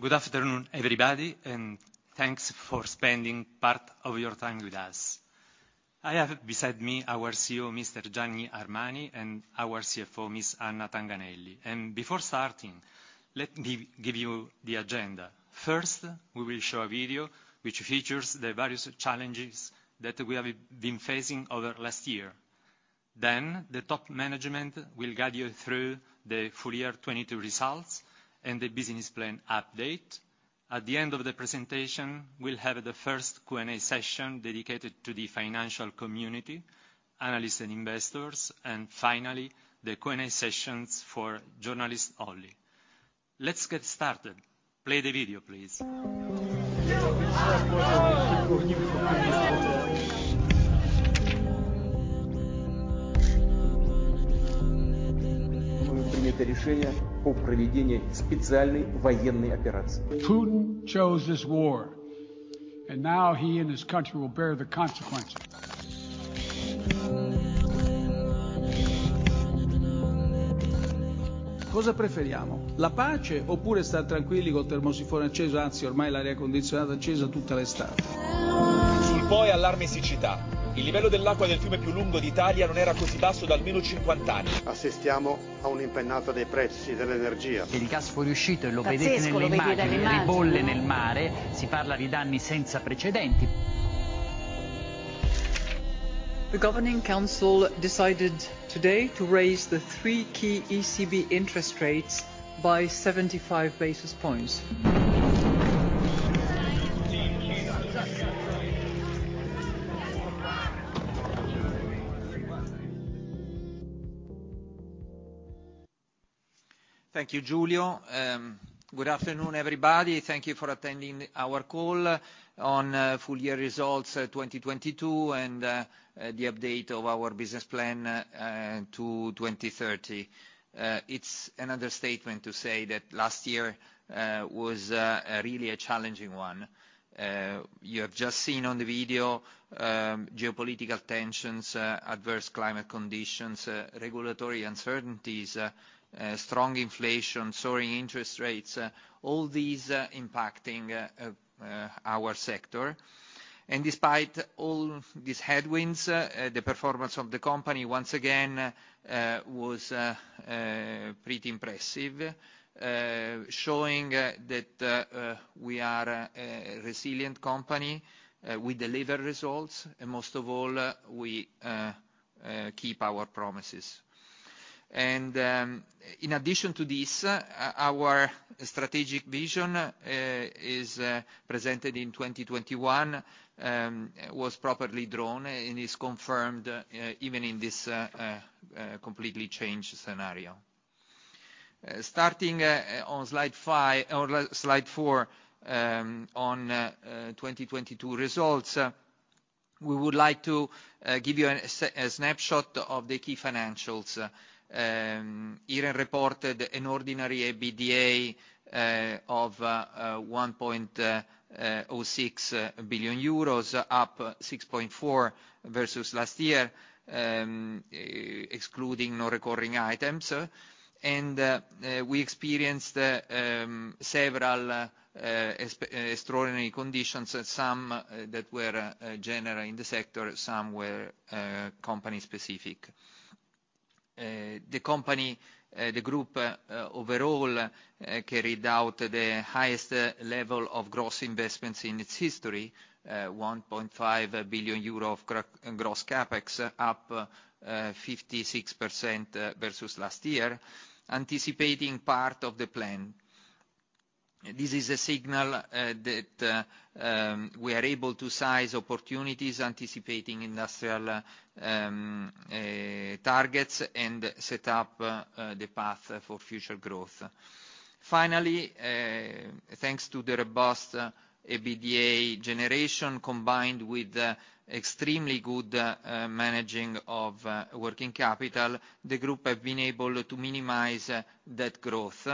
Good afternoon, everybody, and thanks for spending part of your time with us. I have beside me our CEO, Mr. Gianni Armani, and our CFO, Ms. Anna Tanganelli. Before starting, let me give you the agenda. First, we will show a video which features the various challenges that we have been facing over last year. Then the top management will guide you through the full year 2022 results and the business plan update. At the end of the presentation, we'll have the first Q&A session dedicated to the financial community, analysts, and investors. Finally, the Q&A session's for journalists only. Let's get started. Play the video, please. Putin chose this war, and now he and his country will bear the consequences. The Governing Council decided today to raise the three key ECB interest rates by 75 basis points. Thank you, Giulio. Good afternoon, everybody. Thank you for attending our call on full year results, 2022 and the update of our business plan to 2030. It's another statement to say that last year was a really challenging one. You have just seen on the video, geopolitical tensions, adverse climate conditions, regulatory uncertainties, strong inflation, soaring interest rates, all these impacting our sector. Despite all these headwinds, the performance of the company once again was pretty impressive, showing that we are a resilient company, we deliver results, and most of all, we keep our promises. In addition to this, our strategic vision is presented in 2021, was properly drawn and is confirmed even in this completely changed scenario. Starting on slide four, on 2022 results, we would like to give you a snapshot of the key financials. Iren reported an ordinary EBITDA of 1.06 billion euros, up 6.4% versus last year, excluding non-recurring items. We experienced several extraordinary conditions, some that were general in the sector, some were company specific. The company, the group, overall, carried out the highest level of gross investments in its history, 1.5 billion euro of gross CapEx up 56% versus last year, anticipating part of the plan. This is a signal that we are able to seize opportunities, anticipating industrial targets and set up the path for future growth. Finally, thanks to the robust EBITDA generation, combined with extremely good managing of working capital, the group have been able to minimize that growth,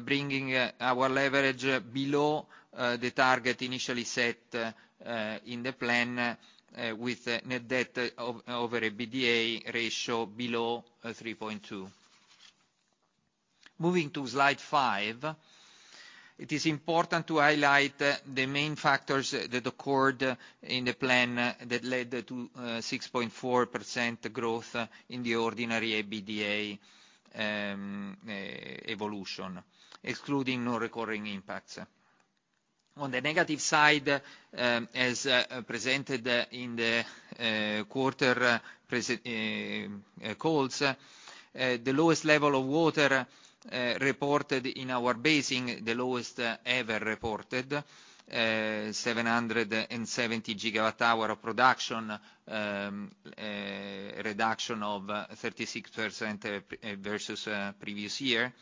bringing our leverage below the target initially set in the plan, with Net Debt over EBITDA ratio below 3.2. Moving to slide five, it is important to highlight the main factors that occurred in the plan that led to 6.4% growth in the ordinary EBITDA evolution, excluding non-recurring impacts. On the negative side, as presented in the quarter calls, the lowest level of water reported in our basin, the lowest ever reported, 770 gigawatt-hour of production reduction of 36% versus previous year,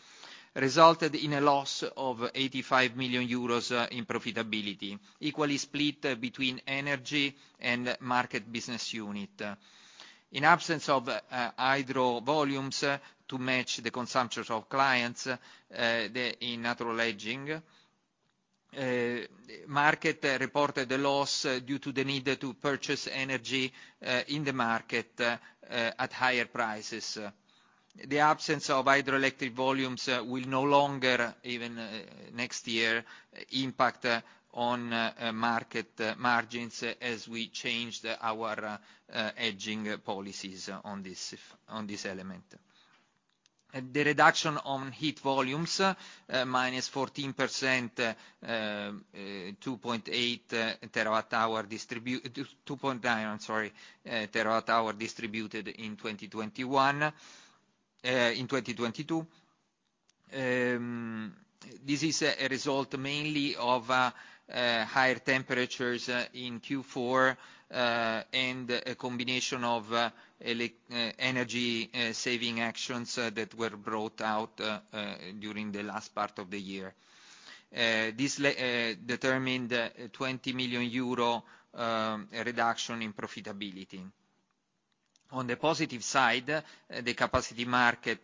resulted in a loss of 85 million euros in profitability, equally split between energy and market business unit. In absence of hydro volumes to match the consumptions of clients, the in natural aging Market reported a loss due to the need to purchase energy in the market at higher prices. The absence of hydroelectric volumes will no longer, even, next year, impact on market margins as we change our edging policies on this element. The reduction on heat volumes, minus 14%, 2.9 terawatt-hour distributed in 2021, in 2022. This is a result mainly of higher temperatures in Q4 and a combination of energy saving actions that were brought out during the last part of the year. This determined 20 million euro reduction in profitability. On the positive side, the capacity market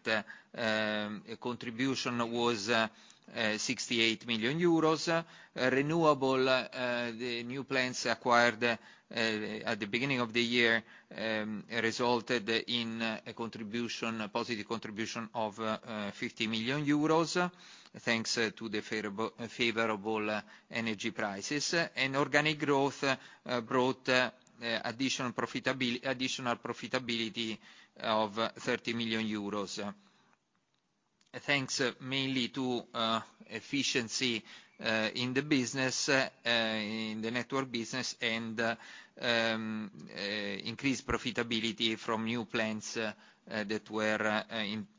contribution was 68 million euros. Renewable, the new plans acquired at the beginning of the year, resulted in a contribution, a positive contribution of 50 million euros, thanks to the favorable energy prices. Organic growth brought additional profitability of 30 million euros, thanks mainly to efficiency in the business, in the network business and increased profitability from new plans that were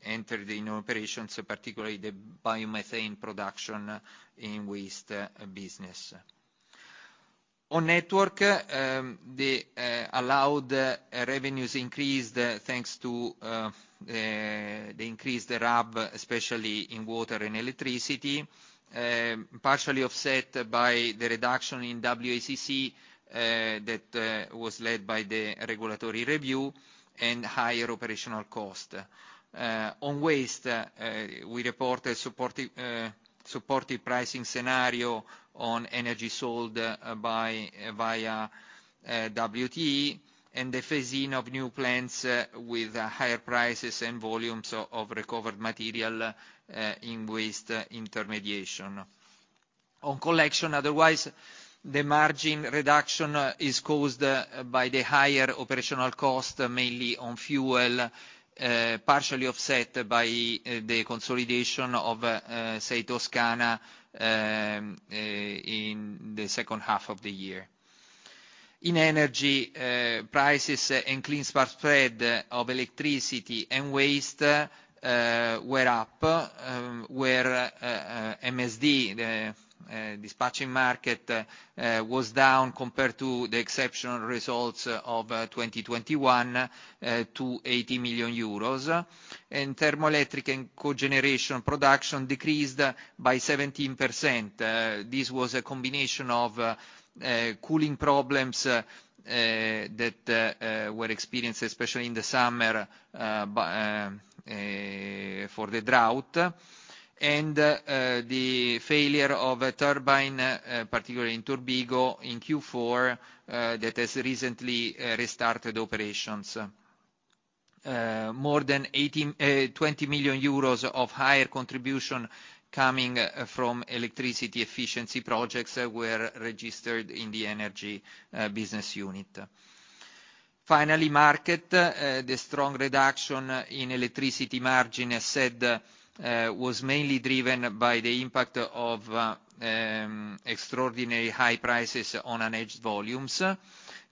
entered in operations, particularly the biomethane production in waste business. On network, the allowed revenues increased thanks to the increased RAB, especially in water and electricity, partially offset by the reduction in WACC that was led by the regulatory review and higher operational cost. On waste, we report a supportive pricing scenario on energy sold by via WTE and the phasing of new plans with higher prices and volumes of recovered material in waste intermediation. On collection, otherwise, the margin reduction is caused by the higher operational cost, mainly on fuel, partially offset by the consolidation of Sei Toscana in the second half of the year. In energy, prices and clean spread of electricity and waste were up, where MSD, the dispatching market, was down compared to the exceptional results of 2021 to 80 million euros. Thermoelectric and cogeneration production decreased by 17%. This was a combination of cooling problems that were experienced, especially in the summer, by for the drought, and the failure of a turbine, particularly in Turbigo in Q4, that has recently restarted operations. More than 20 million euros of higher contribution coming from electricity efficiency projects were registered in the energy business unit. Finally, market, the strong reduction in electricity margin, as said, was mainly driven by the impact of extraordinary high prices on unhedged volumes,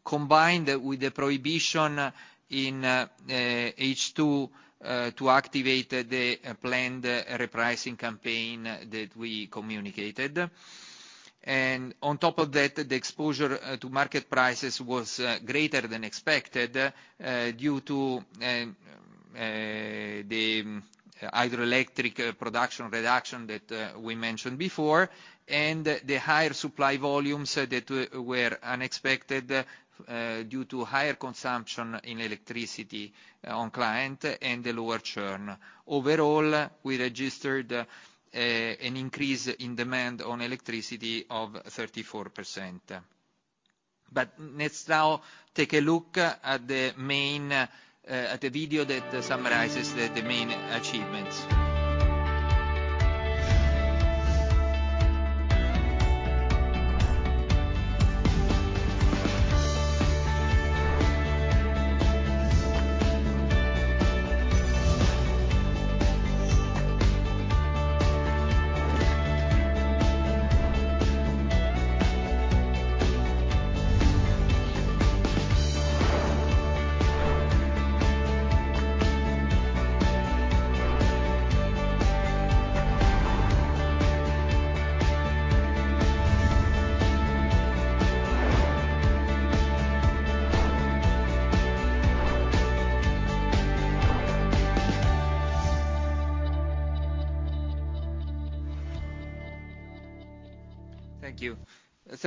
combined with the prohibition in H2 to activate the planned repricing campaign that we communicated. On top of that, the exposure to market prices was greater than expected due to the hydroelectric production reduction that we mentioned before, and the higher supply volumes that were unexpected due to higher consumption in electricity on client and the lower churn. Overall, we registered an increase in demand on electricity of 34%. Let's now take a look at the main at the video that summarizes the main achievements. Thank you.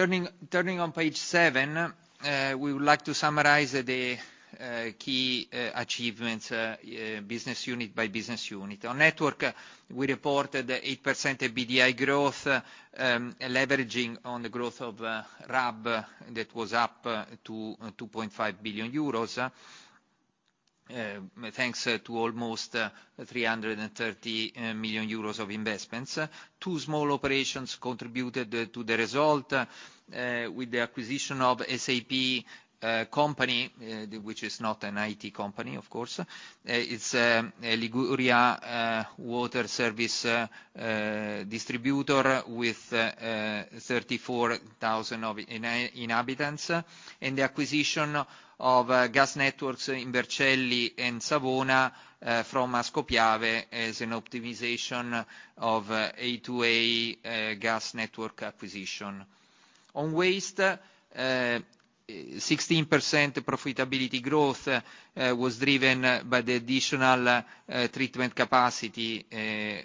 Turning on page seven, we would like to summarize the key achievements business unit by business unit. On network, we reported 8% EBITDA growth leveraging on the growth of RAB that was up to 2.5 billion euros thanks to almost 330 million euros of investments. Two small operations contributed to the result with the acquisition of SAP company, which is not an IT company, of course. It's Liguria water service distributor with 34,000 inhabitants, and the acquisition of gas networks in Vercelli and Savona from Ascopiave as an optimization of 82A gas network acquisition. On waste, 16% profitability growth was driven by the additional treatment capacity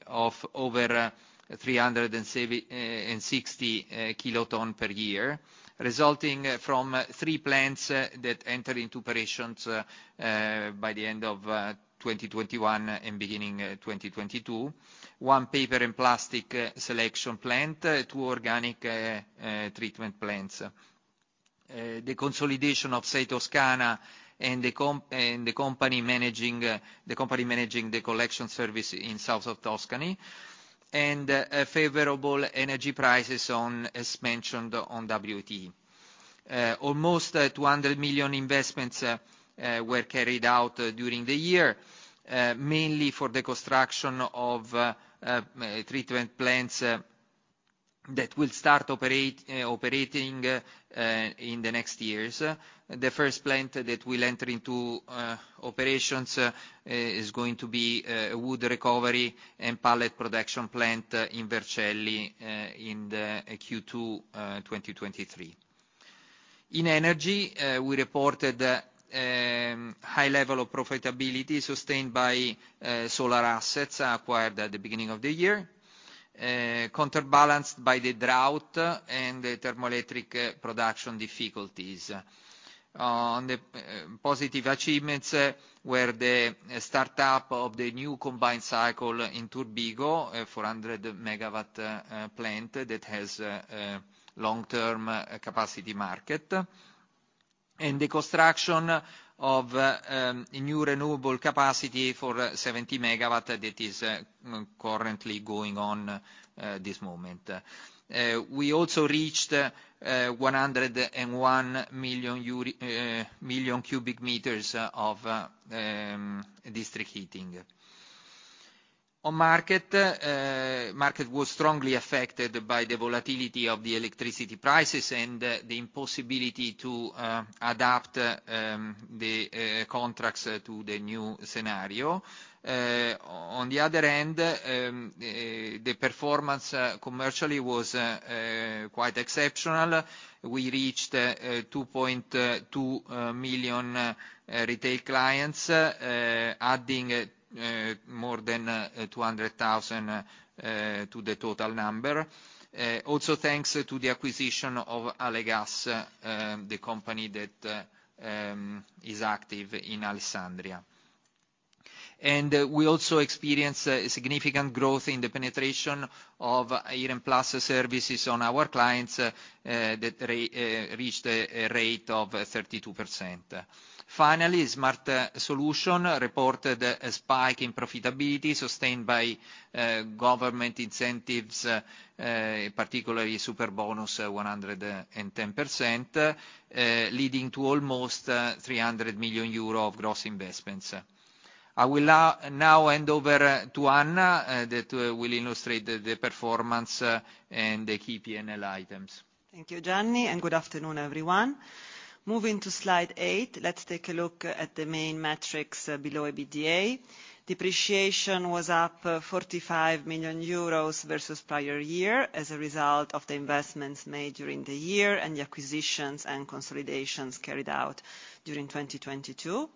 of over 370 kilotons per year, resulting from three plants that enter into operations by the end of 2021 and beginning 2022. One paper and plastic selection plant, two organic treatment plants. The consolidation of Sei Toscana and the company managing the collection service in south of Tuscany, and favorable energy prices on, as mentioned, on WTE. Almost 200 million investments were carried out during the year, mainly for the construction of treatment plants that will start operating in the next years. The first plant that will enter into operations is going to be wood recovery and pallet production plant in Vercelli in the Q2 2023. In energy, we reported high level of profitability sustained by solar assets acquired at the beginning of the year, counterbalanced by the drought and the thermoelectric production difficulties. On the positive achievements were the startup of the new combined cycle in Turbigo, a 400 megawatt plant that has long-term capacity market, and the construction of a new renewable capacity for 70 megawatt that is currently going on this moment. We also reached 101 million cubic meters of district heating. On market was strongly affected by the volatility of the electricity prices and the impossibility to adapt the contracts to the new scenario. On the other end, the performance commercially was quite exceptional. We reached 2.2 million retail clients, adding more than 200,000 to the total number, also thanks to the acquisition of Alegas, the company that is active in Alessandria. We also experienced a significant growth in the penetration of IrenPlus services on our clients, that reached a rate of 32%. Finally, Smart Solution reported a spike in profitability sustained by government incentives, particularly Superbonus 110%, leading to almost 300 million euro of gross investments. I will hand over to Anna, that will illustrate the performance and the key PNL items. Thank you, Gianni. Good afternoon, everyone. Moving to slide eight, let's take a look at the main metrics below EBITDA. Depreciation was up 45 million euros versus prior year as a result of the investments made during the year and the acquisitions and consolidations carried out during 2022.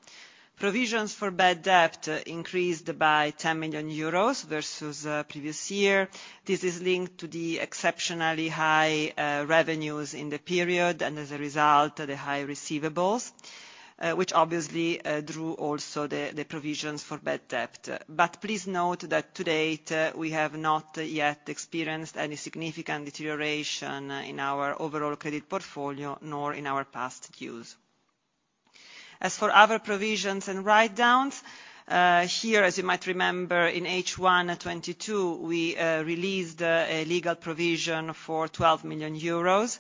Provisions for bad debt increased by 10 million euros versus previous year. This is linked to the exceptionally high revenues in the period and as a result, the high receivables, which obviously drew also the provisions for bad debt. Please note that to date, we have not yet experienced any significant deterioration in our overall credit portfolio, nor in our past dues. As for other provisions and write-downs, here, as you might remember, in H1 2022, we released a legal provision for 12 million euros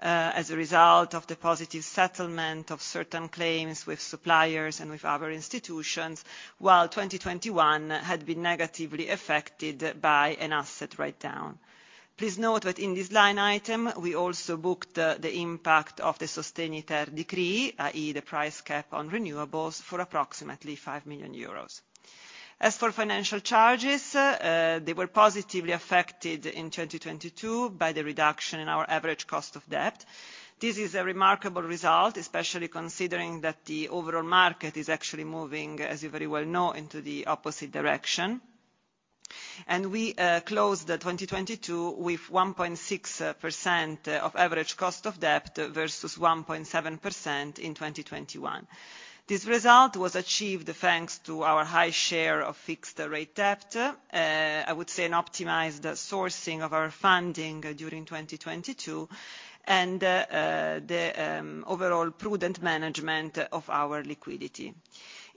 as a result of the positive settlement of certain claims with suppliers and with other institutions, while 2021 had been negatively affected by an asset write-down. Please note that in this line item, we also booked the impact of the Decreto Sostegni-ter, i.e., the price cap on renewables for approximately 5 million euros. As for financial charges, they were positively affected in 2022 by the reduction in our average cost of debt. This is a remarkable result, especially considering that the overall market is actually moving, as you very well know, into the opposite direction. We closed 2022 with 1.6% of average cost of debt versus 1.7% in 2021. This result was achieved thanks to our high share of fixed rate debt, I would say an optimized sourcing of our funding during 2022 and the overall prudent management of our liquidity.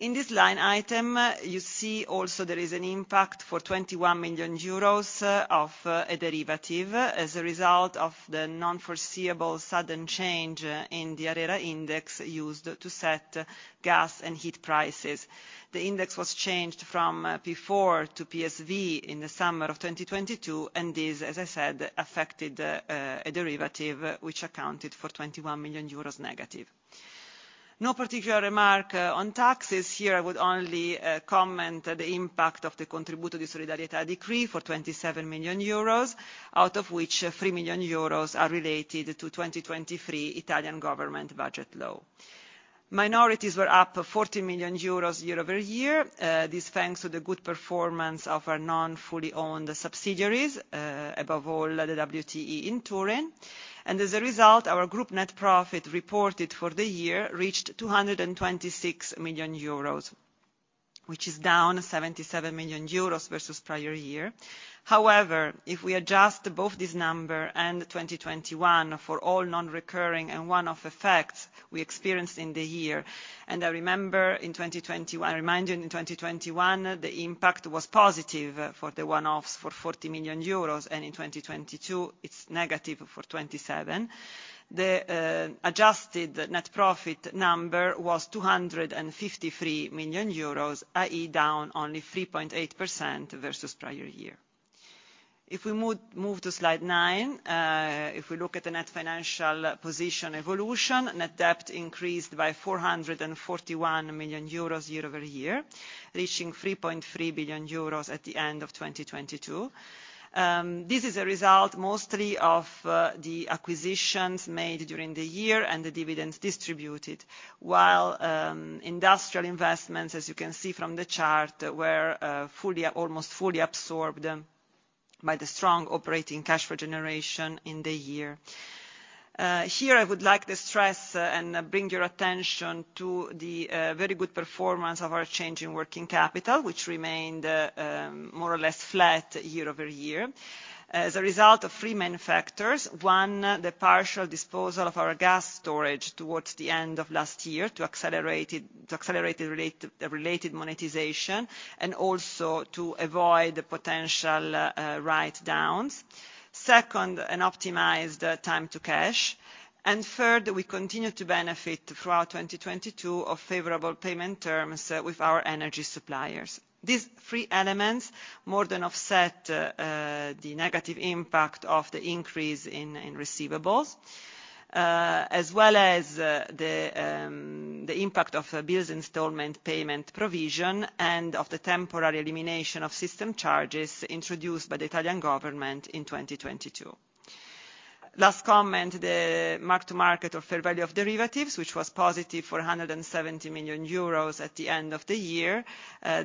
In this line item, you see also there is an impact for 21 million euros of a derivative as a result of the non-foreseeable sudden change in the ARERA index used to set gas and heat prices. The index was changed from P4 to PSV in the summer of 2022. This, as I said, affected a derivative which accounted for 21 million euros negative. No particular remark on taxes here. I would only comment the impact of the contributo di solidarietà decree for 27 million euros, out of which 3 million euros are related to 2023 Italian government budget law. Minorities were up 14 million euros year-over-year. This thanks to the good performance of our non-fully-owned subsidiaries, above all the WTE in Turin. As a result, our group net profit reported for the year reached 226 million euros, which is down 77 million euros versus prior year. However, if we adjust both this number and 2021 for all non-recurring and one-off effects we experienced in the year, I remind you in 2021, the impact was positive for the one-offs for 40 million euros, and in 2022, it's negative for 27 million. The adjusted net profit number was 253 million euros, i.e. down only 3.8% versus prior year. If we move to slide nine, if we look at the net financial position evolution, net debt increased by 441 million euros year-over-year, reaching 3.3 billion euros at the end of 2022. This is a result mostly of the acquisitions made during the year and the dividends distributed, while industrial investments, as you can see from the chart, were almost fully absorbed by the strong operating cash flow generation in the year. Here I would like to stress and bring your attention to the very good performance of our change in working capital, which remained more or less flat year-over-year as a result of three main factors. One, the partial disposal of our gas storage towards the end of last year to accelerate the related monetization and also to avoid potential write-downs. Second, an optimized time to cash. Third, we continued to benefit throughout 2022 of favorable payment terms with our energy suppliers. These three elements more than offset the negative impact of the increase in receivables, as well as the impact of bills installment payment provision and of the temporary elimination of system charges introduced by the Italian government in 2022. Last comment, the mark to market of fair value of derivatives, which was positive for 170 million euros at the end of the year,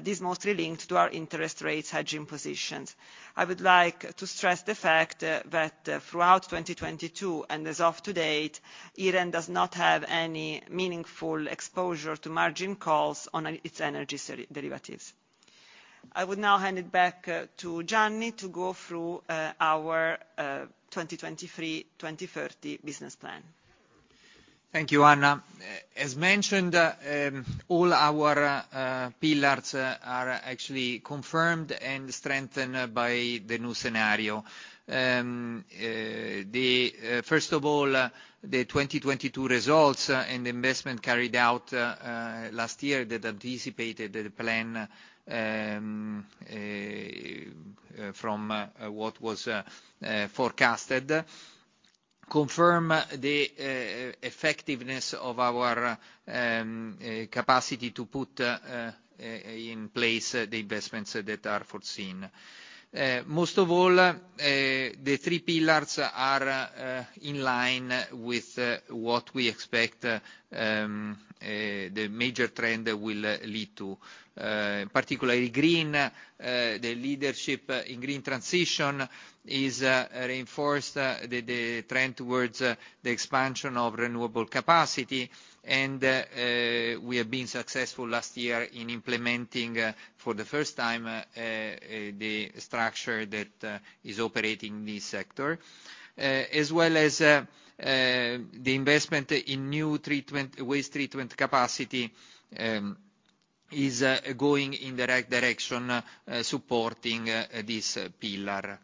this mostly linked to our interest rates hedging positions. I would like to stress the fact that throughout 2022, and as of to date, Iren does not have any meaningful exposure to margin calls on its energy derivatives. I would now hand it back to Gianni to go through our 2023-2030 business plan. Thank you, Anna. As mentioned, all our pillars are actually confirmed and strengthened by the new scenario. First of all, the 2022 results and investment carried out last year that anticipated the plan from what was forecasted, confirm the effectiveness of our capacity to put in place the investments that are foreseen. Most of all, the three pillars are in line with what we expect, the major trend that will lead to particularly green. The leadership in green transition is reinforced the trend towards the expansion of renewable capacity. We have been successful last year in implementing for the first time the structure that is operating this sector. As well as the investment in new treatment, waste treatment capacity, is going in the right direction, supporting this pillar.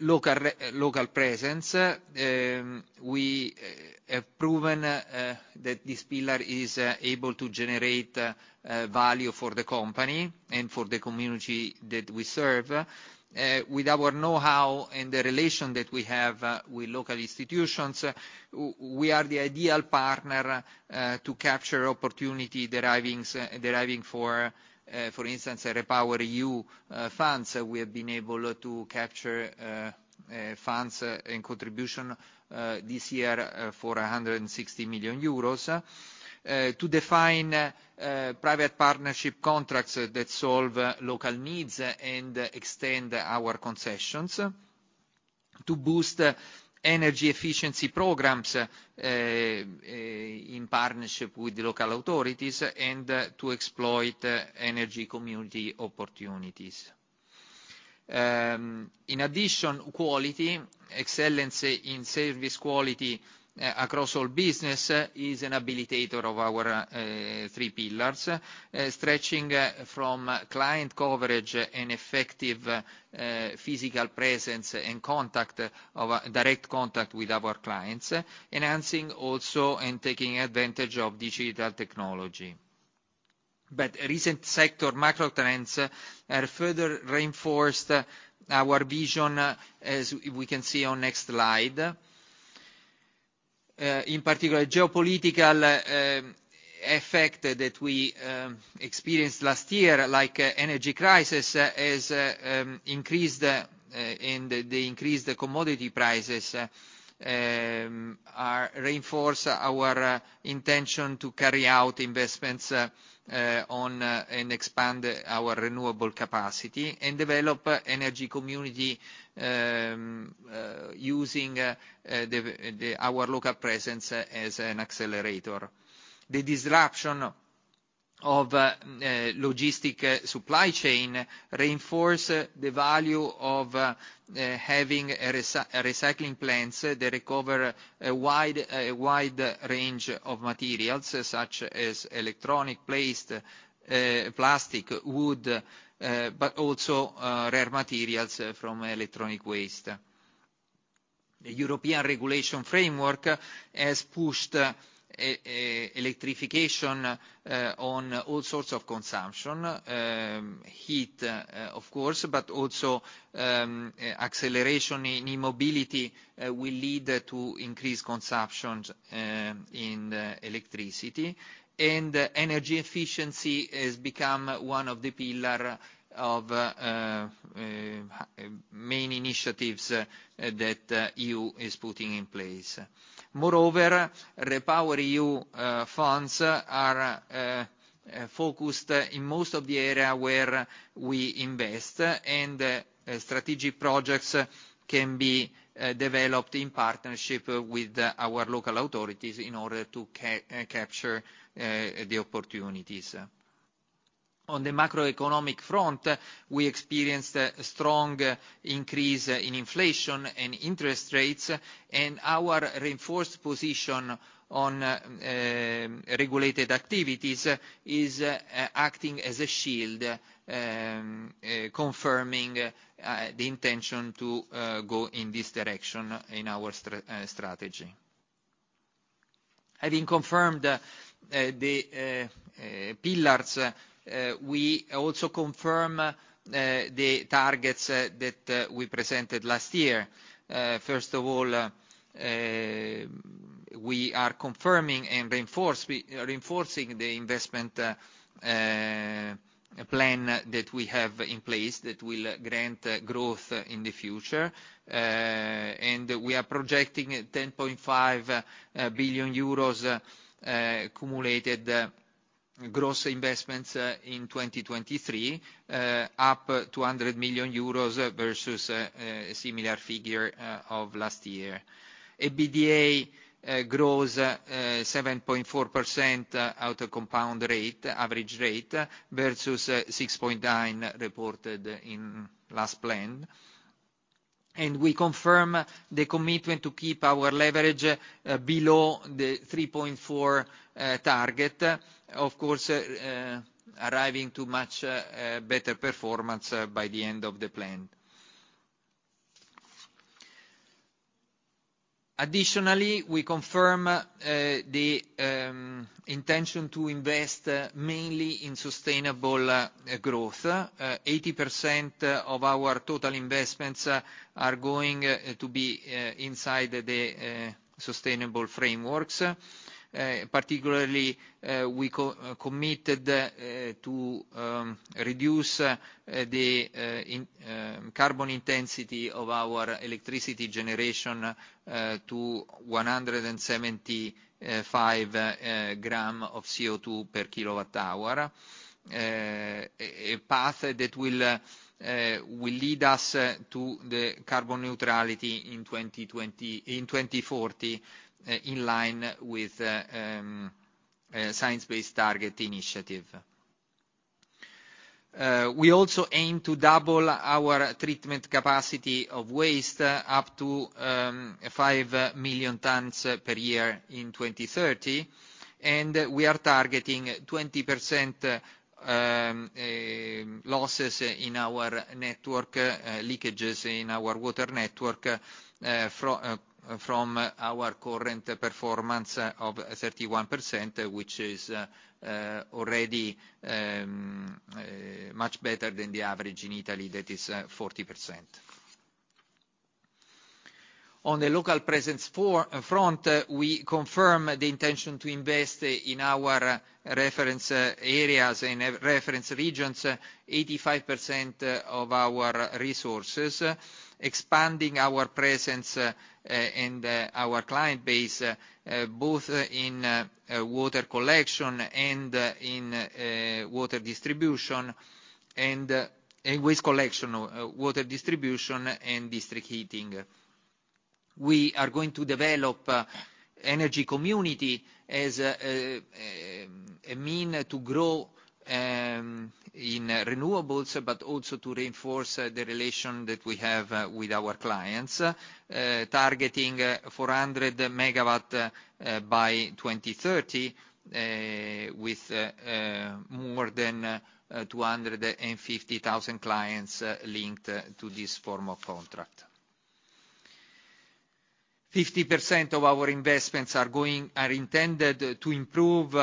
Local, local presence, we have proven that this pillar is able to generate value for the company and for the community that we serve. With our know-how and the relation that we have with local institutions, we are the ideal partner to capture opportunity derivings, deriving for instance, REPowerEU funds. We have been able to capture funds in contribution this year for 160 million euros, to define private partnership contracts that solve local needs and extend our concessions, to boost energy efficiency programs in partnership with the local authorities, and to exploit energy community opportunities. In addition, quality, excellence in service quality, across all business is an habilitator of our three pillars, stretching from client coverage and effective physical presence and direct contact with our clients, enhancing also and taking advantage of digital technology. Recent sector macro trends have further reinforced our vision, as we can see on next slide. In particular, geopolitical effect that we experienced last year, like energy crisis, has increased and they increased the commodity prices reinforce our intention to carry out investments on and expand our renewable capacity and develop energy community using our local presence as an accelerator. The disruption of logistic supply chain reinforce the value of having recycling plants that recover a wide range of materials, such as electronic waste, plastic, wood, but also rare materials from electronic waste. The European regulation framework has pushed electrification on all sorts of consumption, heat, of course, but also acceleration in e-mobility will lead to increased consumptions in electricity. Energy efficiency has become one of the pillar of main initiatives that EU is putting in place. Moreover, REPowerEU funds are focused in most of the area where we invest, and strategic projects can be developed in partnership with our local authorities in order to capture the opportunities. On the macroeconomic front, we experienced a strong increase in inflation and interest rates. Our reinforced position on regulated activities is acting as a shield, confirming the intention to go in this direction in our strategy. Having confirmed the pillars, we also confirm the targets that we presented last year. First of all, we are reinforcing the investment plan that we have in place that will grant growth in the future. We are projecting a €10.5 billion accumulated gross investments in 2023, up to €200 million versus a similar figure of last year. EBITDA grows 7.4% out a compound rate, average rate, versus 6.9% reported in last plan. We confirm the commitment to keep our leverage below the 3.4 target, of course, arriving to much better performance by the end of the plan. Additionally, we confirm the intention to invest mainly in sustainable growth. 80% of our total investments are going to be inside the sustainable frameworks. Particularly, we co-committed to reduce the carbon intensity of our electricity generation to 175 gram of CO2 per kilowatt hour. A path that will lead us to the carbon neutrality in 2040, in line with science-based target initiative. We also aim to double our treatment capacity of waste up to five million tons per year in 2030, and we are targeting 20% losses in our network, leakages in our water network, from our current performance of 31%, which is already much better than the average in Italy. That is 40%. On the local presence front, we confirm the intention to invest in our reference areas and reference regions 85% of our resources, expanding our presence and our client base both in water collection and in water distribution and waste collection, water distribution and district heating. We are going to develop energy community as a mean to grow in renewables, but also to reinforce the relation that we have with our clients, targeting 400 megawatt by 2030, with more than 250,000 clients linked to this form of contract. 50% of our investments are intended to improve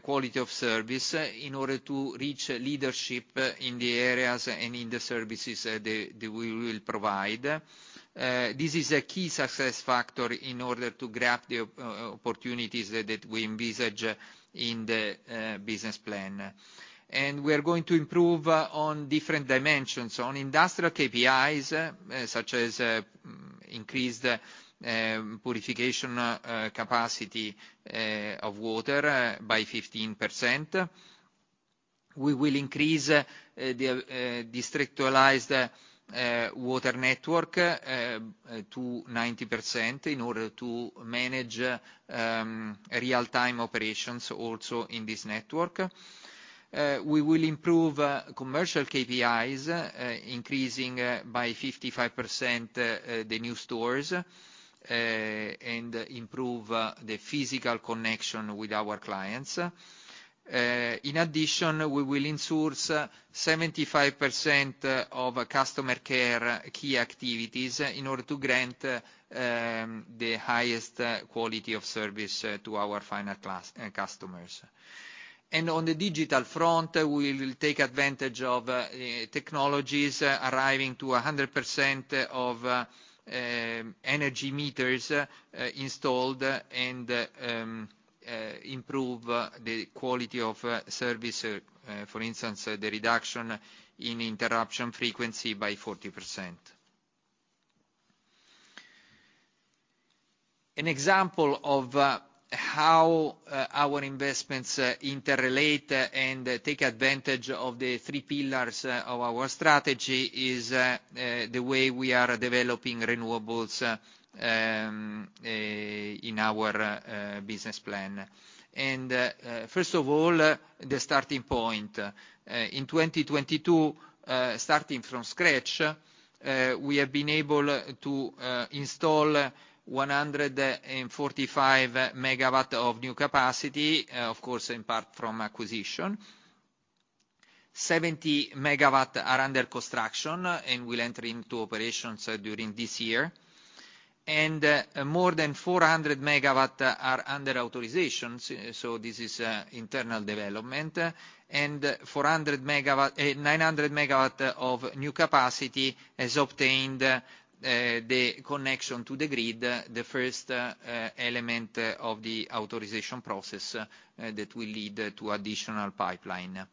quality of service in order to reach leadership in the areas and in the services that we will provide. This is a key success factor in order to grab the opportunities that we envisage in the business plan. We are going to improve on different dimensions. On industrial KPIs, such as increase the purification capacity of water by 15%. We will increase the districtialized water network to 90% in order to manage real-time operations also in this network. We will improve commercial KPIs, increasing by 55% the new stores, and improve the physical connection with our clients. In addition, we will in-source 75% of customer care key activities in order to grant the highest quality of service to our final class customers. On the digital front, we will take advantage of technologies arriving to 100% of energy meters installed and improve the quality of service, for instance, the reduction in interruption frequency by 40%. An example of how our investments interrelate and take advantage of the three pillars of our strategy is the way we are developing renewables in our business plan. First of all, the starting point. In 2022, starting from scratch, we have been able to install 145 MW of new capacity, of course, in part from acquisition. 70 MW are under construction and will enter into operations during this year. More than 400 MW are under authorizations, so this is internal development. 400 MW, 900 MW of new capacity has obtained the connection to the grid, the first element of the authorization process that will lead to additional pipeline.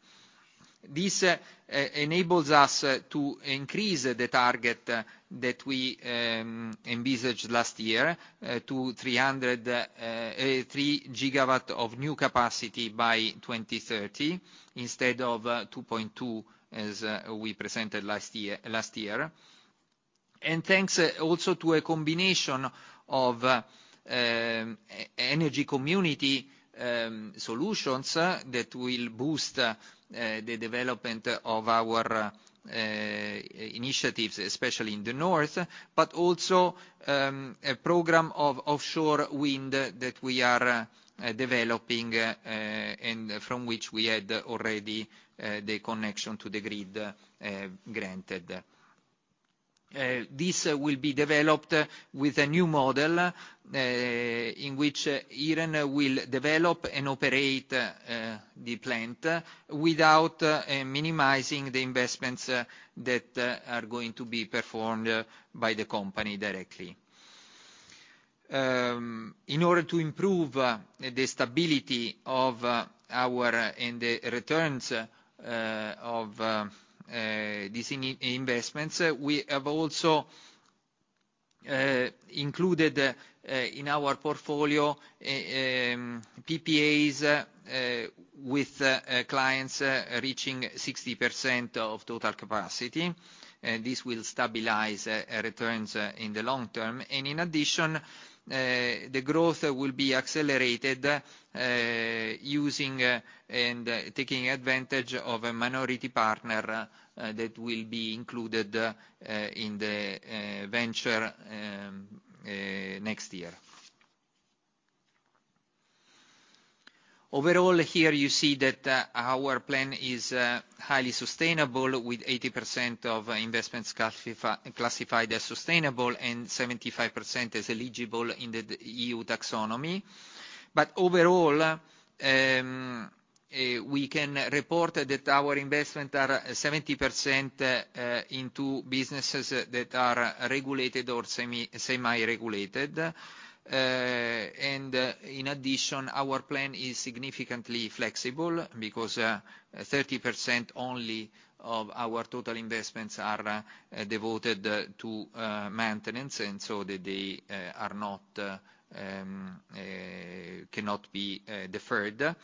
This enables us to increase the target that we envisaged last year to 303 gigawatt of new capacity by 2030 instead of 2.2, as we presented last year. Thanks also to a combination of energy community solutions that will boost the development of our initiatives, especially in the North, but also a program of offshore wind that we are developing and from which we had already the connection to the grid granted. This will be developed with a new model in which Iren will develop and operate the plant without minimizing the investments that are going to be performed by the company directly. In order to improve the stability of our... The returns of these investments, we have also included in our portfolio PPAs with clients reaching 60% of total capacity. This will stabilize returns in the long term. In addition, the growth will be accelerated using and taking advantage of a minority partner that will be included in the venture next year. Overall, here you see that our plan is highly sustainable, with 80% of investments classified as sustainable and 75% as eligible in the EU taxonomy. Overall, We can report that our investments are 70%, into businesses that are regulated or semi-regulated. In addition, our plan is significantly flexible because 30% only of our total investments are devoted to maintenance, and so they are not, cannot be deferred.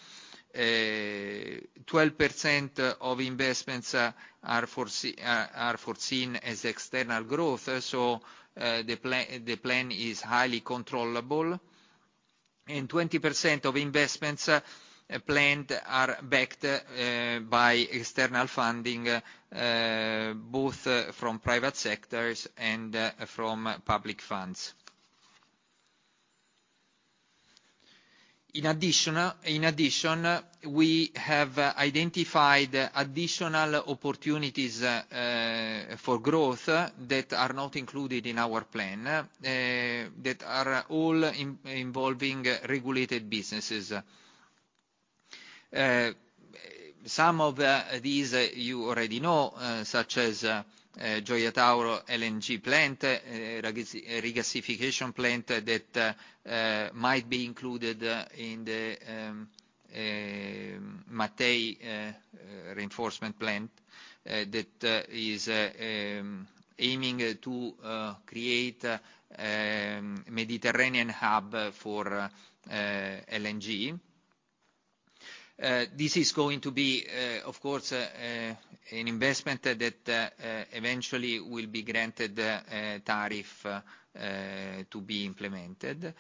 12% of investments are foreseen as external growth, so the plan is highly controllable. 20% of investments planned are backed by external funding both from private sectors and from public funds. In addition, we have identified additional opportunities for growth that are not included in our plan that are all involving regulated businesses. Some of these you already know, such as Gioia Tauro LNG plant, regasification plant that might be included in the Mattei reinforcement plant, that is aiming to create a Mediterranean hub for LNG. This is going to be an investment that eventually will be granted a tariff to be implemented.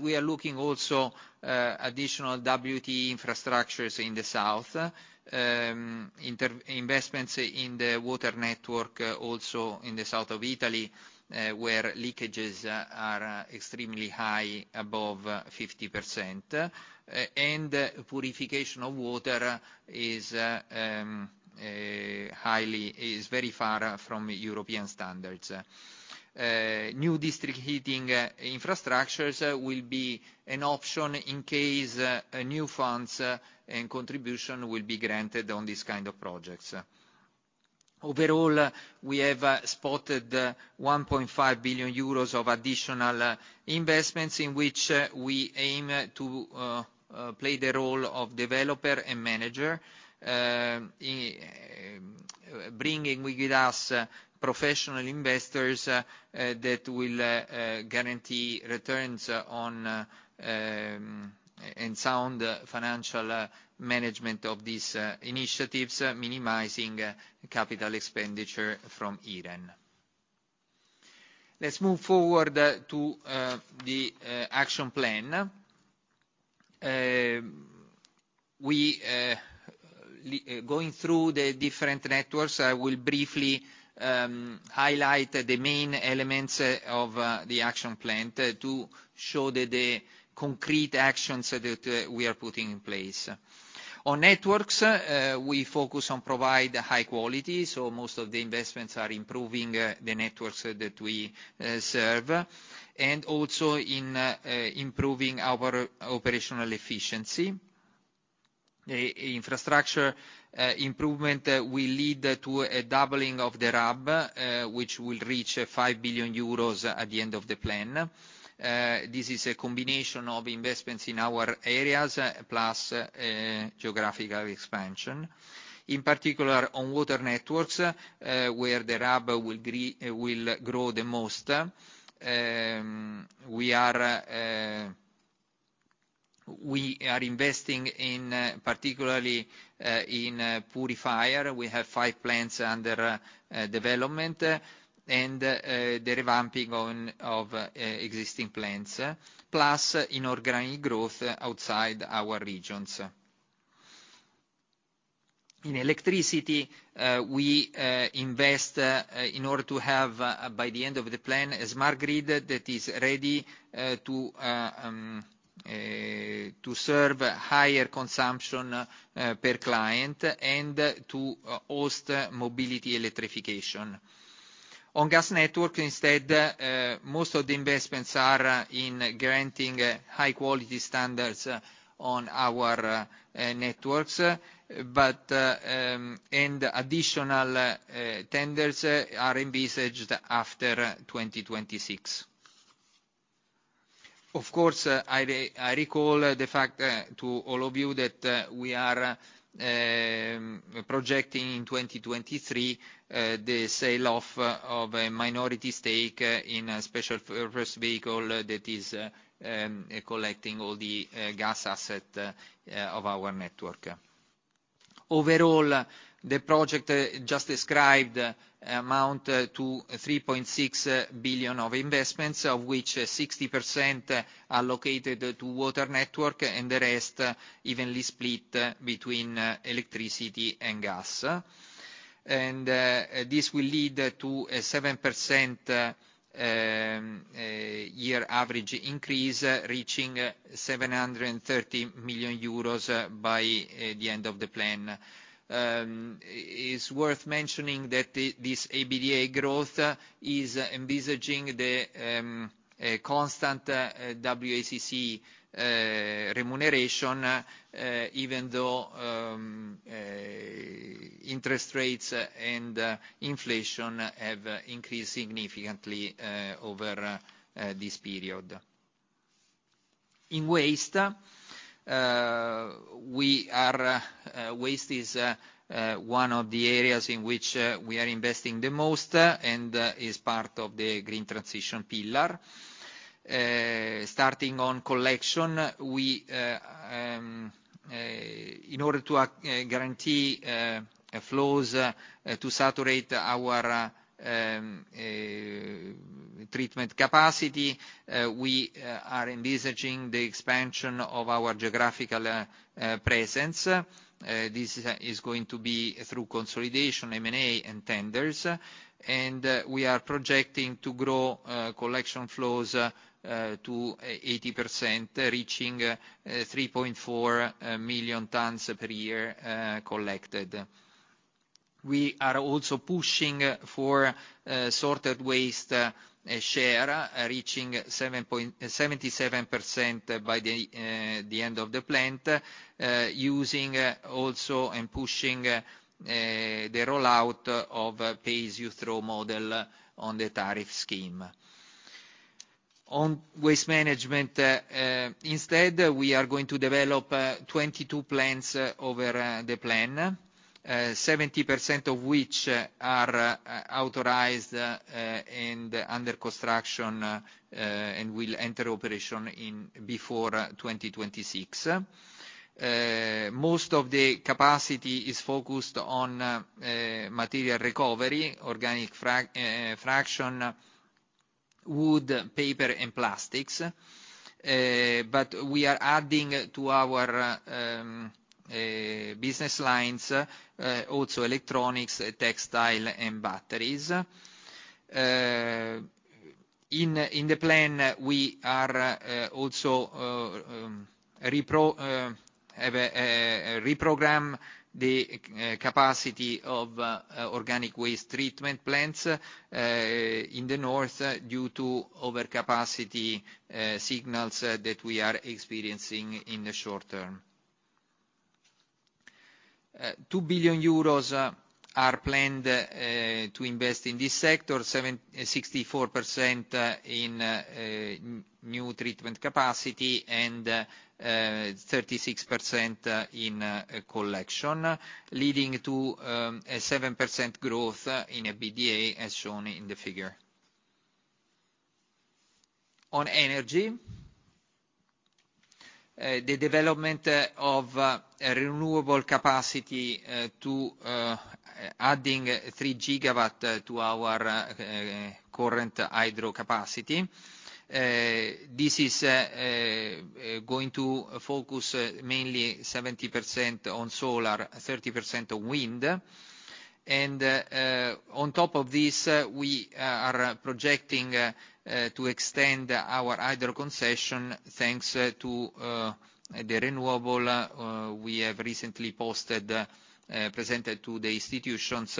We are looking also additional WTE infrastructures in the South. Investments in the water network also in the South of Italy, where leakages are extremely high, above 50%. Purification of water is very far from European standards. New district heating infrastructures will be an option in case new funds and contribution will be granted on these kind of projects. Overall, we have spotted 1.5 billion euros of additional investments in which we aim to play the role of developer and manager, bringing with us professional investors that will guarantee returns on and sound financial management of these initiatives, minimizing CapEx from Iren. Let's move forward to the action plan. We going through the different networks, I will briefly highlight the main elements of the action plan to show the concrete actions that we are putting in place. On networks, we focus on provide high quality, so most of the investments are improving the networks that we serve, and also in improving our operational efficiency. Infrastructure improvement will lead to a doubling of the RAB, which will reach 5 billion euros at the end of the plan. This is a combination of investments in our areas plus geographical expansion. In particular, on water networks, where the RAB will grow the most, we are investing in particularly in purifier. We have five plants under development and the revamping of existing plants, plus inorganic growth outside our regions. In electricity, we invest in order to have, by the end of the plan, a smart grid that is ready to serve higher consumption per client and to host mobility electrification. On gas network instead, most of the investments are in granting high quality standards on our networks, but additional tenders are envisaged after 2026. Of course, I recall the fact to all of you that we are projecting in 2023 the sale of a minority stake in a special purpose vehicle that is collecting all the gas asset of our network. Overall, the project just described amount to 3.6 billion of investments, of which 60% are located to water network and the rest evenly split between electricity and gas. This will lead to a 7% year average increase, reaching 730 million euros by the end of the plan. It's worth mentioning that this EBITDA growth is envisaging the constant WACC remuneration, even though interest rates and inflation have increased significantly over this period. In waste is one of the areas in which we are investing the most and is part of the green transition pillar. Starting on collection, we in order to guarantee flows to saturate our treatment capacity, we are envisaging the expansion of our geographical presence. This is going to be through consolidation, M&A and tenders. We are projecting to grow collection flows to 80%, reaching 3.4 million tons per year collected. We are also pushing for sorted waste share, reaching 77% by the end of the plan, using also and pushing the rollout of a pay as you throw model on the tariff scheme. On waste management, instead, we are going to develop 22 plants over the plan, 70% of which are authorized and under construction and will enter operation before 2026. Most of the capacity is focused on material recovery, organic frag fraction, wood, paper and plastics. We are adding to our business lines also electronics, textile and batteries. In the plan, we are also have reprogram the capacity of organic waste treatment plants in the North due to overcapacity signals that we are experiencing in the short term. 2 billion euros are planned to invest in this sector, 64% in new treatment capacity and 36% in collection, leading to a 7% growth in EBITDA, as shown in the figure. On energy, the development of a renewable capacity to adding 3 GW to our current hydro capacity. This is going to focus mainly 70% on solar, 30% on wind. On top of this, we are projecting to extend our hydro concession thanks to the renewable we have recently presented to the institutions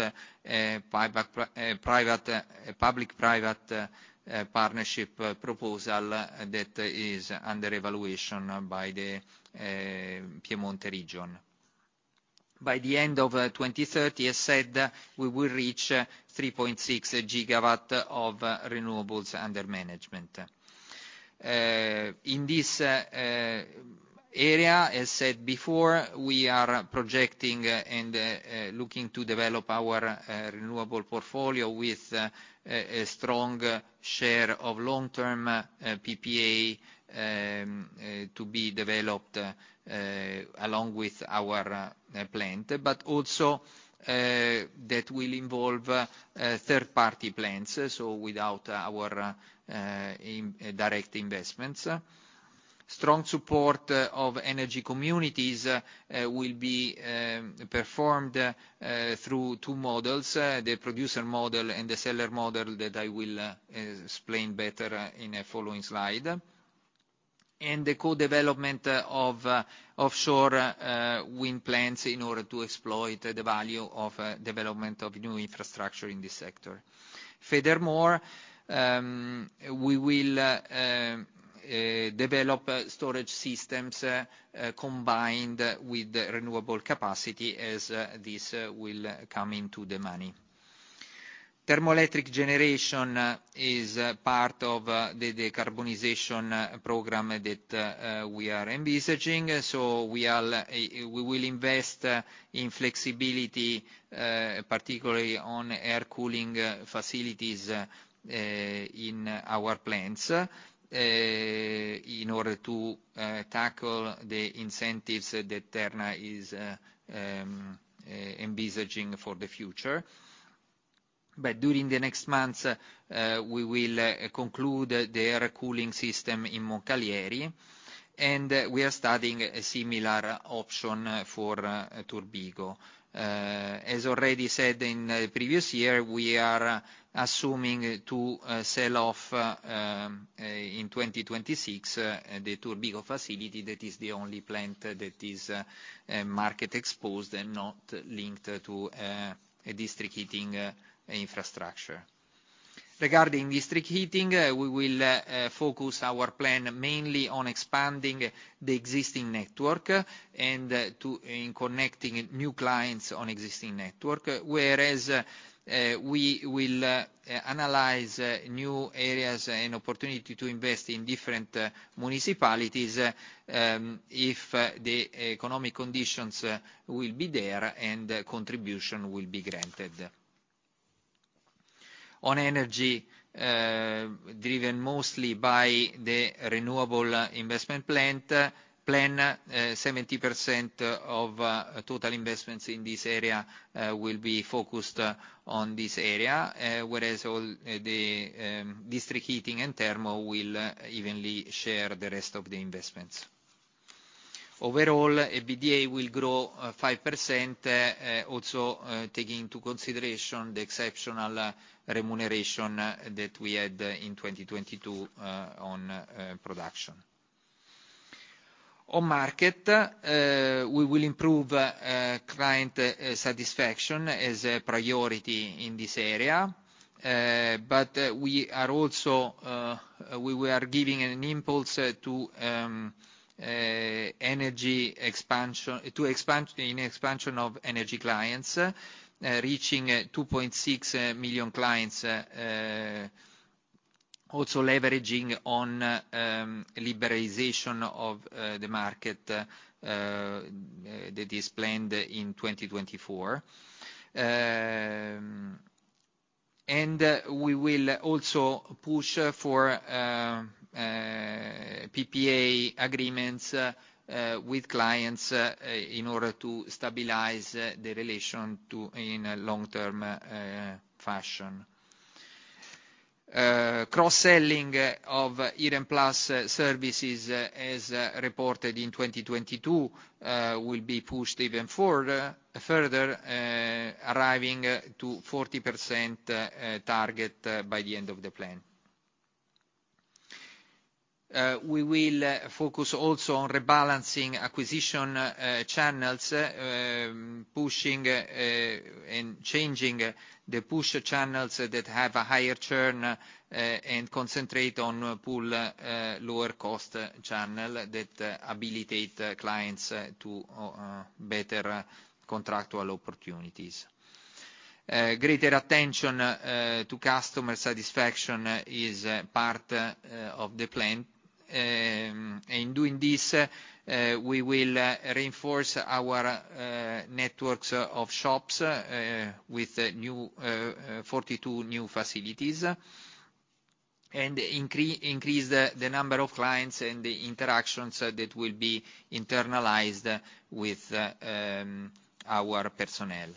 a public-private partnership proposal that is under evaluation by the Piemonte region. By the end of 2030, as said, we will reach 3.6 gigawatt of renewables under management. In this area, as said before, we are projecting and looking to develop our renewable portfolio with a strong share of long-term PPA to be developed along with our plant, but also that will involve third-party plants, so without our direct investments. Strong support of energy communities will be performed through two models, the producer model and the seller model that I will explain better in a following slide. The co-development of offshore wind plants in order to exploit the value of development of new infrastructure in this sector. Furthermore, we will develop storage systems combined with the renewable capacity as this will come into the money. Thermoelectric generation is part of the decarbonization program that we are envisaging. We are, we will invest in flexibility, particularly on air cooling facilities in our plants, in order to tackle the incentives that Terna is envisaging for the future. During the next months, we will conclude their cooling system in Moncalieri, and we are starting a similar option for Turbigo. As already said in the previous year, we are assuming to sell off in 2026, the Turbigo facility, that is the only plant that is market exposed and not linked to a district heating infrastructure. Regarding district heating, we will focus our plan mainly on expanding the existing network and connecting new clients on existing network, whereas we will analyze new areas and opportunity to invest in different municipalities, if the economic conditions will be there and contribution will be granted. On energy, driven mostly by the renewable investment plan, 70% of total investments in this area will be focused on this area, whereas all the district heating and thermal will evenly share the rest of the investments. Overall, EBITDA will grow 5%, also taking into consideration the exceptional remuneration that we had in 2022 on production. On market, we will improve client satisfaction as a priority in this area. We are also giving an impulse to an expansion of energy clients, reaching 2.6 million clients, also leveraging on liberalization of the market that is planned in 2024. We will also push for PPA agreements with clients in order to stabilize the relation to in a long-term fashion. Cross-selling of IrenPlus services, as reported in 2022, will be pushed even further, arriving to 40% target by the end of the plan. We will focus also on rebalancing acquisition channels, pushing and changing the push channels that have a higher churn and concentrate on pull, lower cost channel that habilitate clients to better contractual opportunities. Greater attention to customer satisfaction is part of the plan. In doing this, we will reinforce our networks of shops with new 42 new facilities. Increase the number of clients and the interactions that will be internalized with our personnel.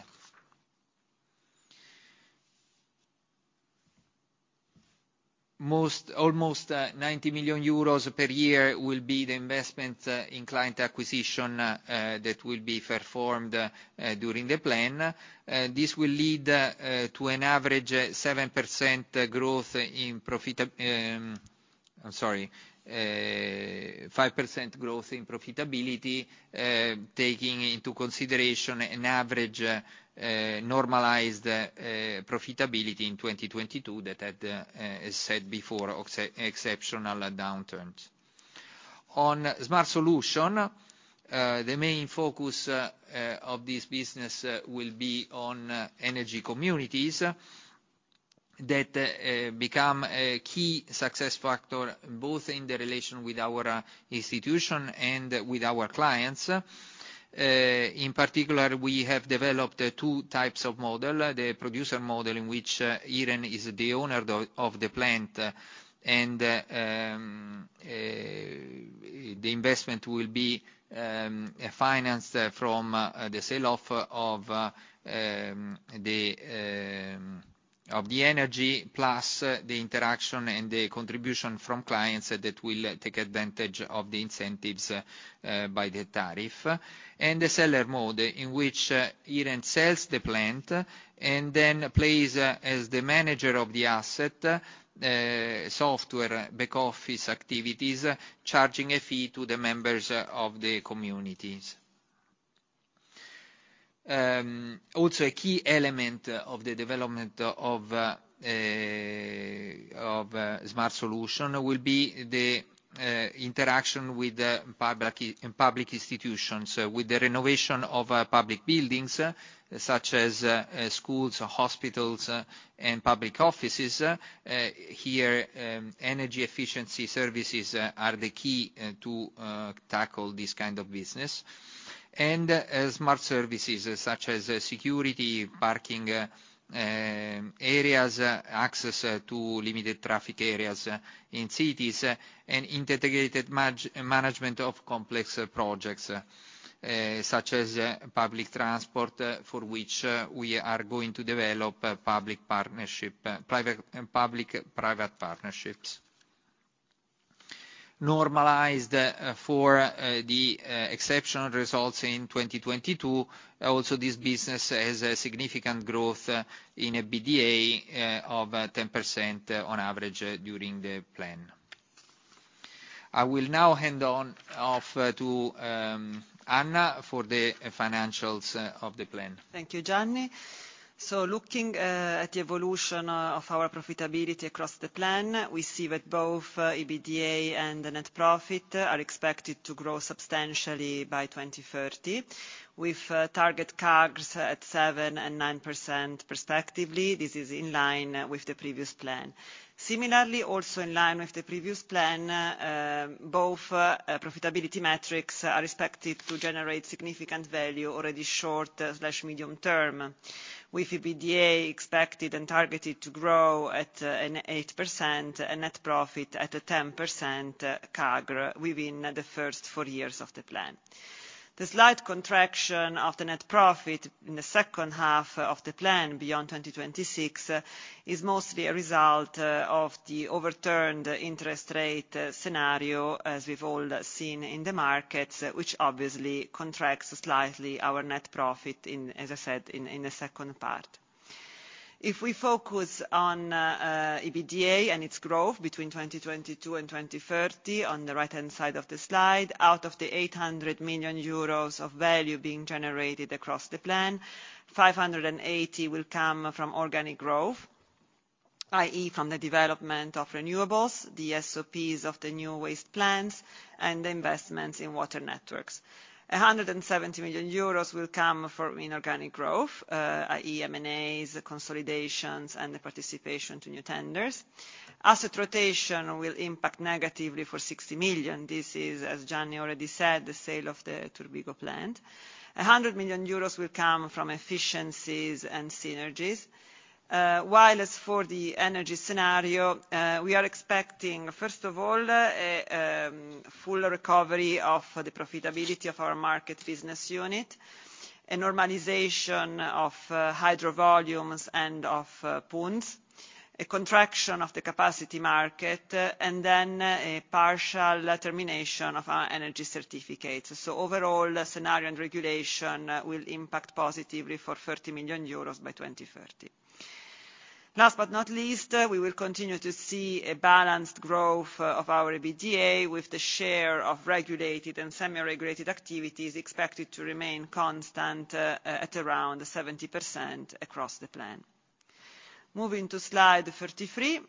Most, almost 90 million euros per year will be the investment in client acquisition that will be performed during the plan. This will lead to an average 5% growth in profitability, taking into consideration an average normalized profitability in 2022 that had, as said before, exceptional downturns. On Smart Solutions, the main focus of this business will be on energy communities that become a key success factor, both in the relation with our institution and with our clients. In particular, we have developed two types of model. The producer model, in which Iren is the owner of the plant. The investment will be financed from the selloff of the energy, plus the interaction and the contribution from clients that will take advantage of the incentives by the tariff. The seller mode, in which Iren sells the plant, and then plays as the manager of the asset, software back office activities, charging a fee to the members of the communities. Also a key element of the development of smart solution will be the interaction with the public institutions with the renovation of public buildings, such as schools, hospitals, and public offices. Here, energy efficiency services are the key to tackle this kind of business. Smart services such as security, parking, areas, access to limited traffic areas in cities, and integrated man-management of complex projects, such as public transport, for which we are going to develop public private partnerships. Normalized for the exceptional results in 2022. This business has a significant growth in a BDA of 10% on average during the plan. I will now hand off to Anna for the financials of the plan. Thank you, Gianni. Looking at the evolution of our profitability across the plan, we see that both EBITDA and the net profit are expected to grow substantially by 2030, with target CAGRs at 7% and 9% respectively. This is in line with the previous plan. Similarly, also in line with the previous plan, both profitability metrics are expected to generate significant value already short slash medium term, with EBITDA expected and targeted to grow at an 8% and net profit at a 10% CAGR within the first four years of the plan. The slight contraction of the net profit in the second half of the plan beyond 2026 is mostly a result of the overturned interest rate scenario, as we've all seen in the markets, which obviously contracts slightly our net profit in, as I said, in the second part. If we focus on EBITDA and its growth between 2022 and 2030, on the right-hand side of the slide, out of the 800 million euros of value being generated across the plan, 580 million will come from organic growth, i.e., from the development of renewables, the SOPs of the new waste plants, and the investments in water networks. 170 million euros will come from inorganic growth, i.e., M&As, consolidations, and the participation to new tenders. Asset rotation will impact negatively for 60 million. This is, as Gianni already said, the sale of the Turbigo plant. 100 million euros will come from efficiencies and synergies. While as for the energy scenario, we are expecting, first of all, a full recovery of the profitability of our market business unit, a normalization of hydro volumes and of pools, a contraction of the capacity market, and then a partial termination of our energy certificates. Overall, scenario and regulation will impact positively for 30 million euros by 2030. Last but not least, we will continue to see a balanced growth of our EBITDA, with the share of regulated and semi-regulated activities expected to remain constant at around 70% across the plan. Moving to slide 33,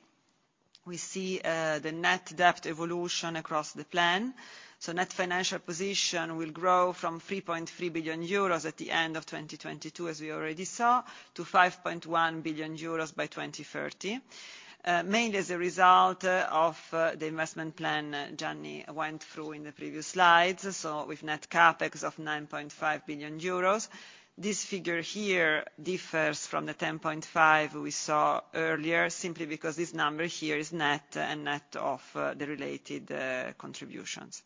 we see the Net Debt evolution across the plan. Net financial position will grow from 3.3 billion euros at the end of 2022, as we already saw, to 5.1 billion euros by 2030, mainly as a result of the investment plan Gianni went through in the previous slides, with net CapEx of 9.5 billion euros. This figure here differs from the 10.5 billion we saw earlier simply because this number here is net and net of the related contributions.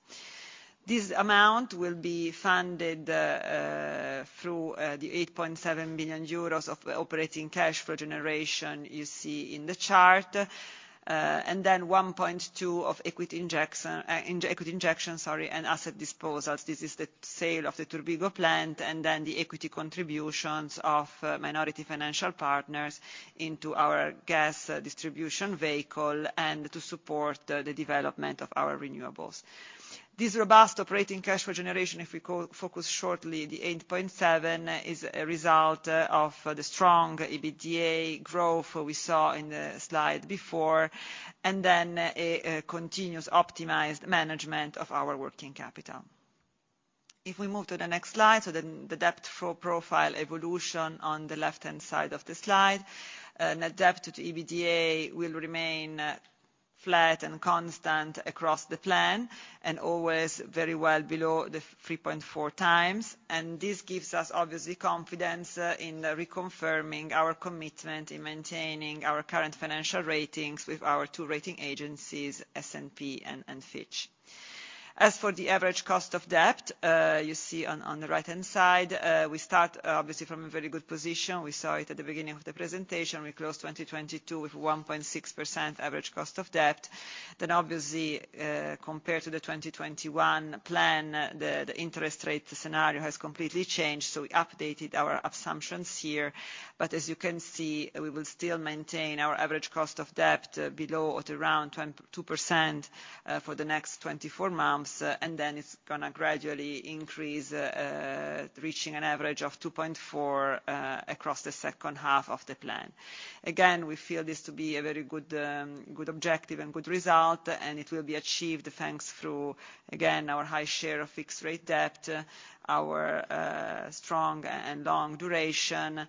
This amount will be funded through the 8.7 billion euros of operating cash flow generation you see in the chart, 1.2 billion of equity injection, sorry, and asset disposals. This is the sale of the Turbigo plant and then the equity contributions of minority financial partners into our gas distribution vehicle and to support the development of our renewables. This robust operating cash flow generation, if we co-focus shortly, the 8.7 is a result of the strong EBITDA growth we saw in the slide before, and then a continuous optimized management of our working capital. If we move to the next slide, the debt flow profile evolution on the left-hand side of the slide, net debt to EBITDA will remain flat and constant across the plan and always very well below the 3.4 times. This gives us obviously confidence in reconfirming our commitment in maintaining our current financial ratings with our two rating agencies, S&P and Fitch. As for the average cost of debt, you see on the right-hand side, we start obviously from a very good position. We saw it at the beginning of the presentation. We closed 2022 with 1.6% average cost of debt. Obviously, compared to the 2021 plan, the interest rate scenario has completely changed, so we updated our assumptions here. As you can see, we will still maintain our average cost of debt below at around 2%, for the next 24 months. It's gonna gradually increase, reaching an average of 2.4% across the second half of the plan. We feel this to be a very good objective and good result, and it will be achieved thanks through our high share of fixed rate debt, our strong and long duration.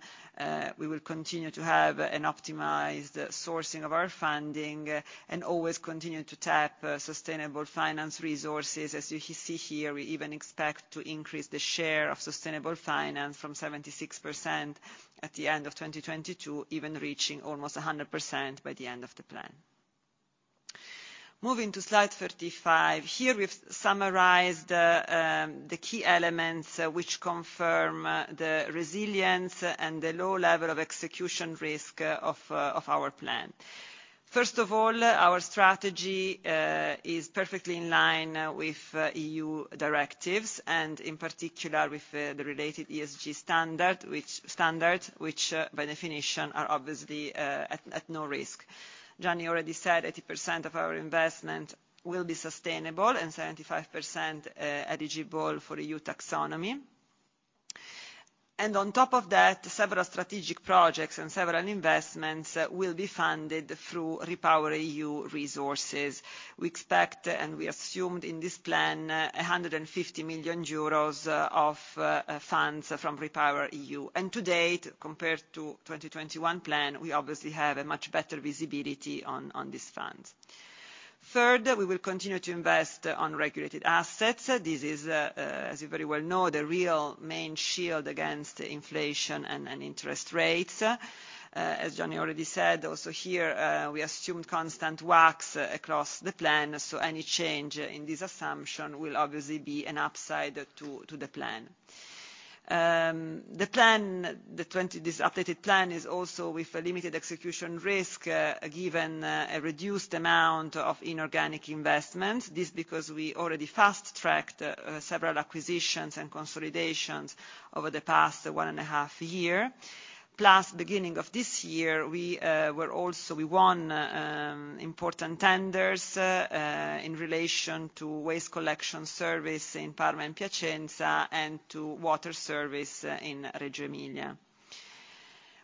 We will continue to have an optimized sourcing of our funding and always continue to tap sustainable finance resources. As you see here, we even expect to increase the share of sustainable finance from 76% at the end of 2022, even reaching almost 100% by the end of the plan. Moving to slide 35. Here we've summarized key elements which confirm the resilience and the low level of execution risk of our plan. First of all, our strategy is perfectly in line with EU directives and in particular with the related ESG standard, which by definition are obviously at no risk. Gianni already said 80% of our investment will be sustainable and 75% eligible for EU taxonomy. On top of that, several strategic projects and several investments will be funded through REPowerEU resources. We expect, and we assumed in this plan, 150 million euros of funds from REPowerEU. To date, compared to 2021 plan, we obviously have a much better visibility on this fund. Third, we will continue to invest on regulated assets. This is, as you very well know, the real main shield against inflation and interest rates. As Gianni already said, also here, we assume constant WACC across the plan, so any change in this assumption will obviously be an upside to the plan. The plan, this updated plan is also with a limited execution risk, given a reduced amount of inorganic investment. This because we already fast-tracked several acquisitions and consolidations over the past 1.5 years. Plus, beginning of this year, we're also won important tenders in relation to waste collection service in Parma and Piacenza and to water service in Reggio Emilia.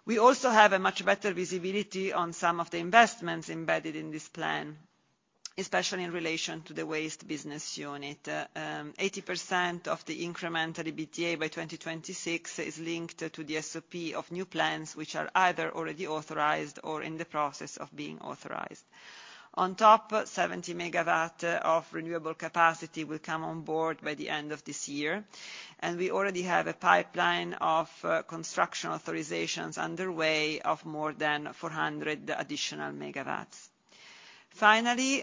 We also have a much better visibility on some of the investments embedded in this plan, especially in relation to the waste business unit. 80% of the incremental EBITDA by 2026 is linked to the SOP of new plans, which are either already authorized or in the process of being authorized. On top, 70 MW of renewable capacity will come on board by the end of this year. We already have a pipeline of construction authorizations underway of more than 400 additional megawatts. Finally,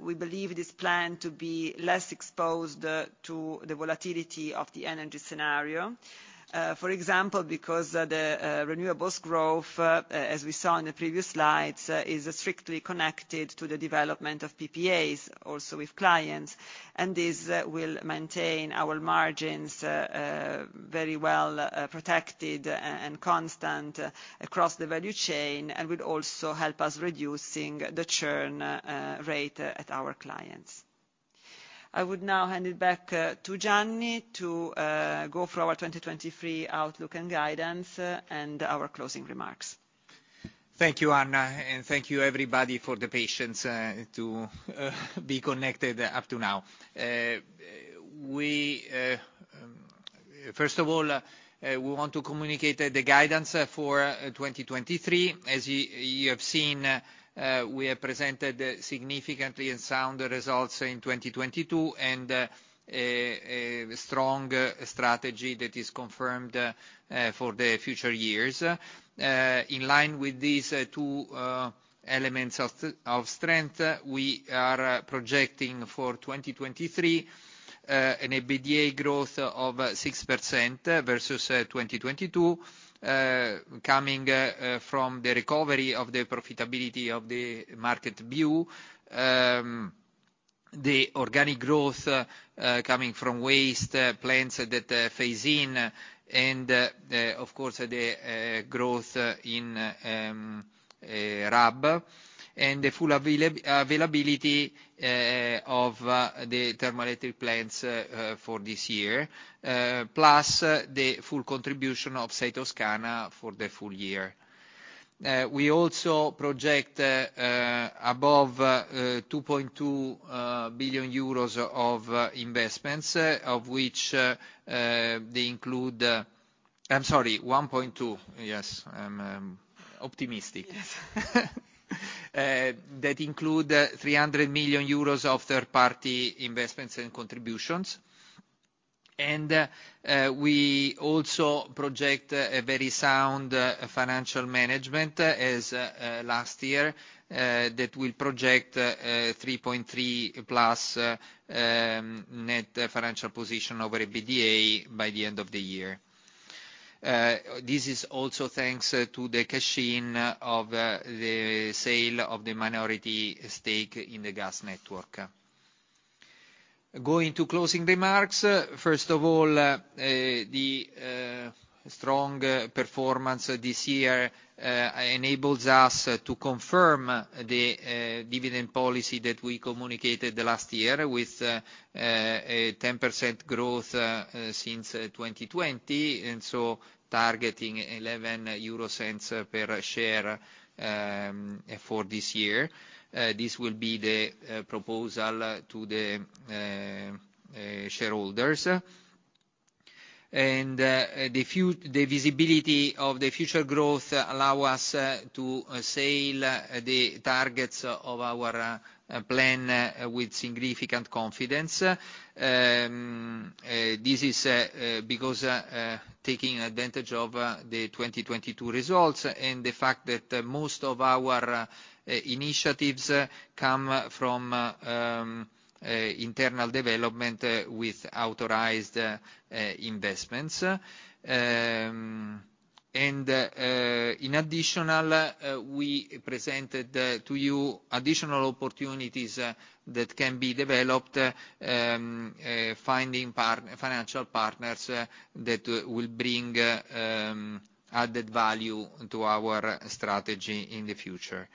we believe this plan to be less exposed to the volatility of the energy scenario. For example, because the renewables growth, as we saw in the previous slides, is strictly connected to the development of PPAs, also with clients. This will maintain our margins very well protected and constant across the value chain and will also help us reducing the churn rate at our clients. I would now hand it back to Gianni to go through our 2023 outlook and guidance and our closing remarks. Thank you, Anna, and thank you everybody for the patience to be connected up to now. We, first of all, want to communicate the guidance for 2023. As you have seen, we have presented significantly and sound results in 2022 and a strong strategy that is confirmed for the future years. In line with these two elements of strength, we are projecting for 2023 an EBITDA growth of 6% versus 2022, coming from the recovery of the profitability of the market view, the organic growth coming from waste plants that phase in and, of course, the growth in RAB, and the full availability of the thermal plants for this year, plus the full contribution of Sei Toscana for the full year. We also project above 2.2 billion euros of investments, of which they include... I'm sorry, 1.2. Yes. I'm optimistic. That include 300 million euros of third-party investments and contributions. We also project a very sound financial management as last year, that will project 3.3+ net financial position over EBITDA by the end of the year. This is also thanks to the cash-in of the sale of the minority stake in the gas network. Going to closing remarks, first of all, the strong performance this year enables us to confirm the dividend policy that we communicated the last year with a 10% growth since 2020, targeting 0.11 per share for this year. This will be the proposal to the shareholders. The visibility of the future growth allow us to sail the targets of our plan with significant confidence. This is because, taking advantage of the 2022 results and the fact that most of our initiatives come from internal development, with authorized investments. In additional, we presented to you additional opportunities that can be developed, finding financial partners that will bring added value to our strategy in the future.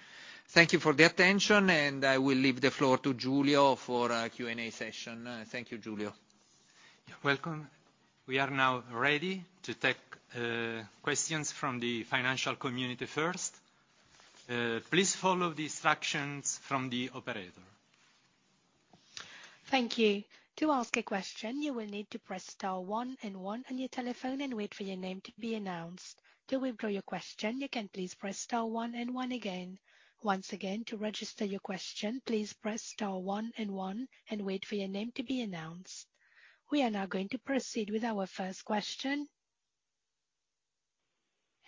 Thank you for the attention, I will leave the floor to Giulio for a Q&A session. Thank you, Giulio. Welcome. We are now ready to take questions from the financial community first. Please follow the instructions from the operator. Thank you. To ask a question, you will need to press star one and one on your telephone and wait for your name to be announced. To withdraw your question, you can please press star one and one again. Once again, to register your question, please press star one and one and wait for your name to be announced. We are now going to proceed with our first question.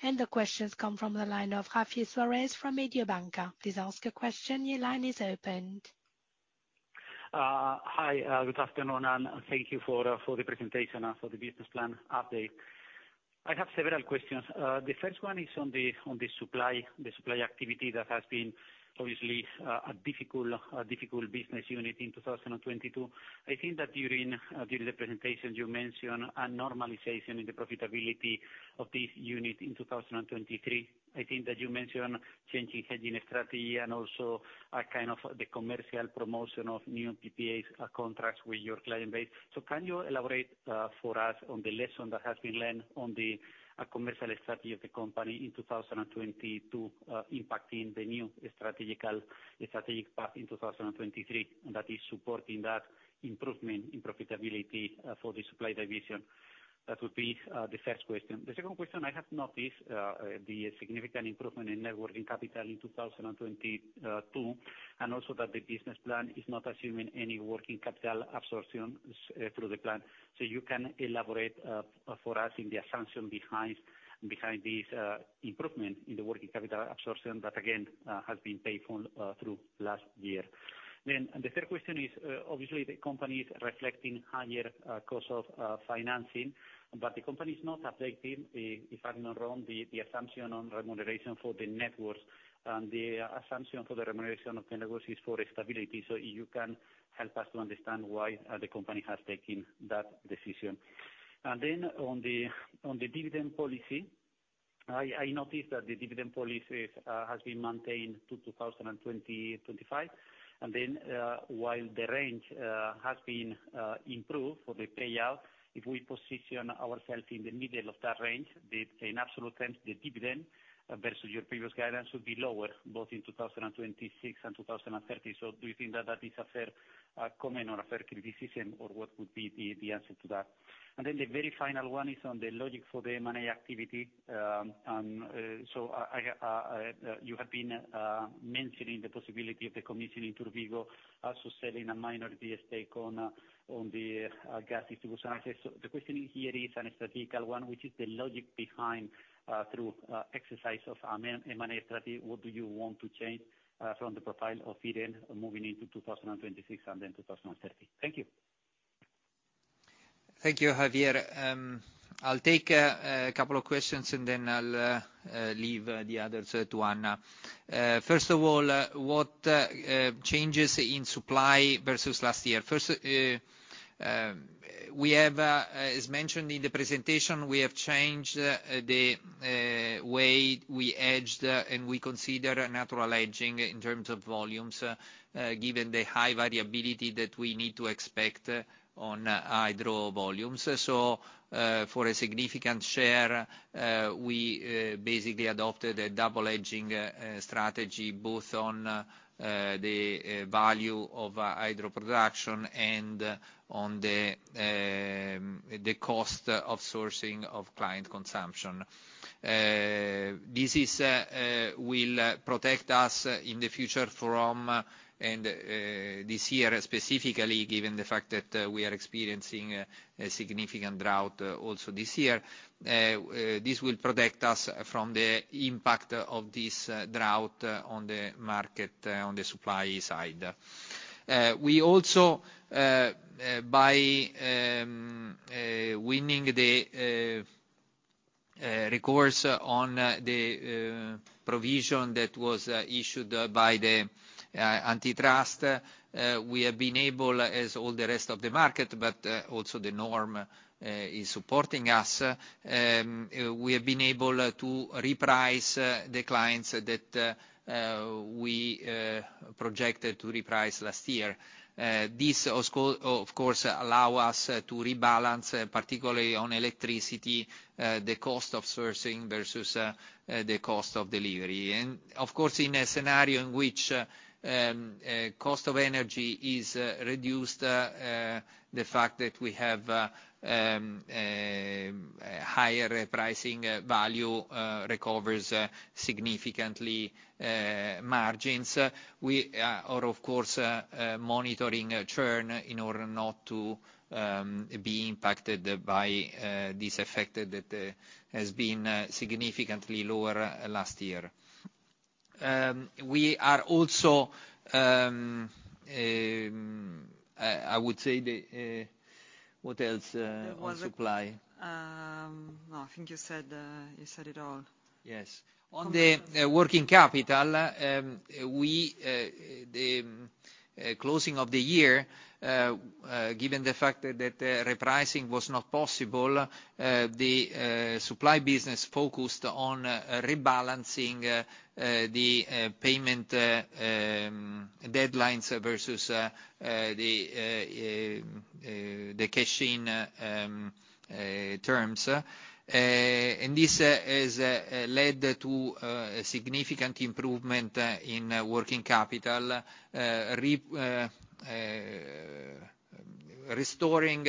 The question's come from the line of Javier Suarez from Mediobanca. Please ask your question. Your line is opened. Hi, good afternoon. Thank you for for the presentation and for the business plan update. I have several questions. The first one is on the supply activity that has been obviously, a difficult business unit in 2022. I think that during the presentation you mentioned a normalization in the profitability of this unit in 2023. I think that you mentioned changing hedging strategy and also a kind of the commercial promotion of new PPAs, contracts with your client base. Can you elaborate for us on the lesson that has been learned on the commercial strategy of the company in 2022 impacting the new strategic path in 2023, and that is supporting that improvement in profitability for the supply division? That would be the first question. The second question, I have noticed the significant improvement in Net Working Capital in 2022, and also that the business plan is not assuming any working capital absorption through the plan. You can elaborate for us in the assumption behind this improvement in the working capital absorption that again has been paid for through last year. The third question is, obviously the company is reflecting higher cost of financing, but the company is not affecting, if I'm not wrong, the assumption on remuneration for the networks. The assumption for the remuneration of the networks is for stability. You can help us to understand why the company has taken that decision. On the dividend policy, I notice that the dividend policy has been maintained to 2020, 25. While the range has been improved for the payout, if we position ourself in the middle of that range, in absolute terms, the dividend versus your previous guidance would be lower both in 2026 and 2030. Do you think that that is a fair comment or a fair criticism or what would be the answer to that? The very final one is on the logic for the M&A activity. You have been mentioning the possibility of the commission in Turbigo also selling a minority stake on the gas distribution. The question here is a strategic one, which is the logic behind through exercise of an M&A strategy, what do you want to change from the profile of Iren moving into 2026 and then 2030? Thank you. Thank you, Javier. I'll take a couple of questions and then I'll leave the others to Anna. First of all, what changes in supply versus last year? First, as mentioned in the presentation, we have changed the way we edged and we consider natural edging in terms of volumes, given the high variability that we need to expect on hydro volumes. For a significant share, we basically adopted a double edging strategy both on the value of hydro production and on the cost of sourcing of client consumption. This is, will protect us in the future from, and this year specifically, given the fact that we are experiencing a significant drought also this year, this will protect us from the impact of this drought on the market, on the supply side. We also, by winning the recourse on the provision that was issued by the antitrust, we have been able, as all the rest of the market, but also the norm is supporting us. We have been able to reprice the clients that we projected to reprice last year. This also, of course, allow us to rebalance, particularly on electricity, the cost of sourcing versus the cost of delivery. Of course, in a scenario in which cost of energy is reduced, the fact that we have higher pricing value recovers significantly margins. We are of course monitoring churn in order not to be impacted by this effect that has been significantly lower last year. We are also. What else on supply? No, I think you said, you said it all. Yes. On the working capital, we the closing of the year, given the fact that repricing was not possible, the supply business focused on rebalancing the payment deadlines versus the cash-in terms. This has led to a significant improvement in working capital. Restoring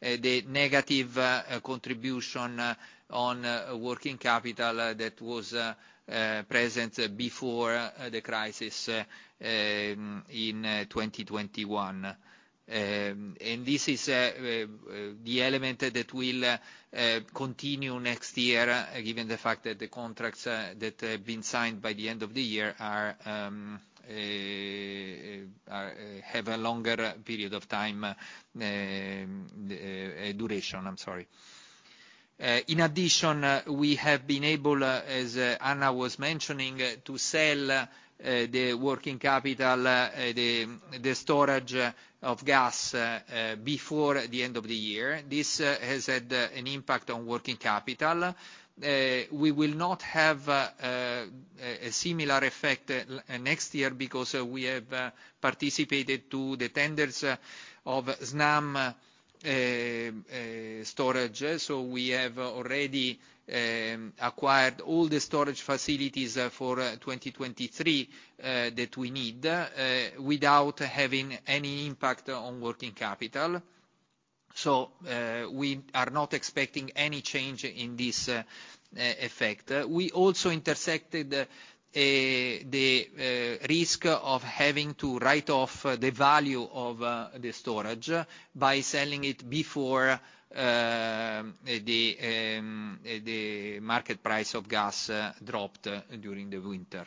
the negative contribution on working capital that was present before the crisis in 2021. This is the element that will continue next year, given the fact that the contracts that have been signed by the end of the year have a longer period of time duration. I'm sorry. In addition, we have been able, as Anna was mentioning, to sell the working capital, the storage of gas before the end of the year. This has had an impact on working capital. We will not have a similar effect next year because we have participated to the tenders of Snam storage. We have already acquired all the storage facilities for 2023 that we need without having any impact on working capital. We are not expecting any change in this effect. We also intersected the risk of having to write off the value of the storage by selling it before the market price of gas dropped during the winter.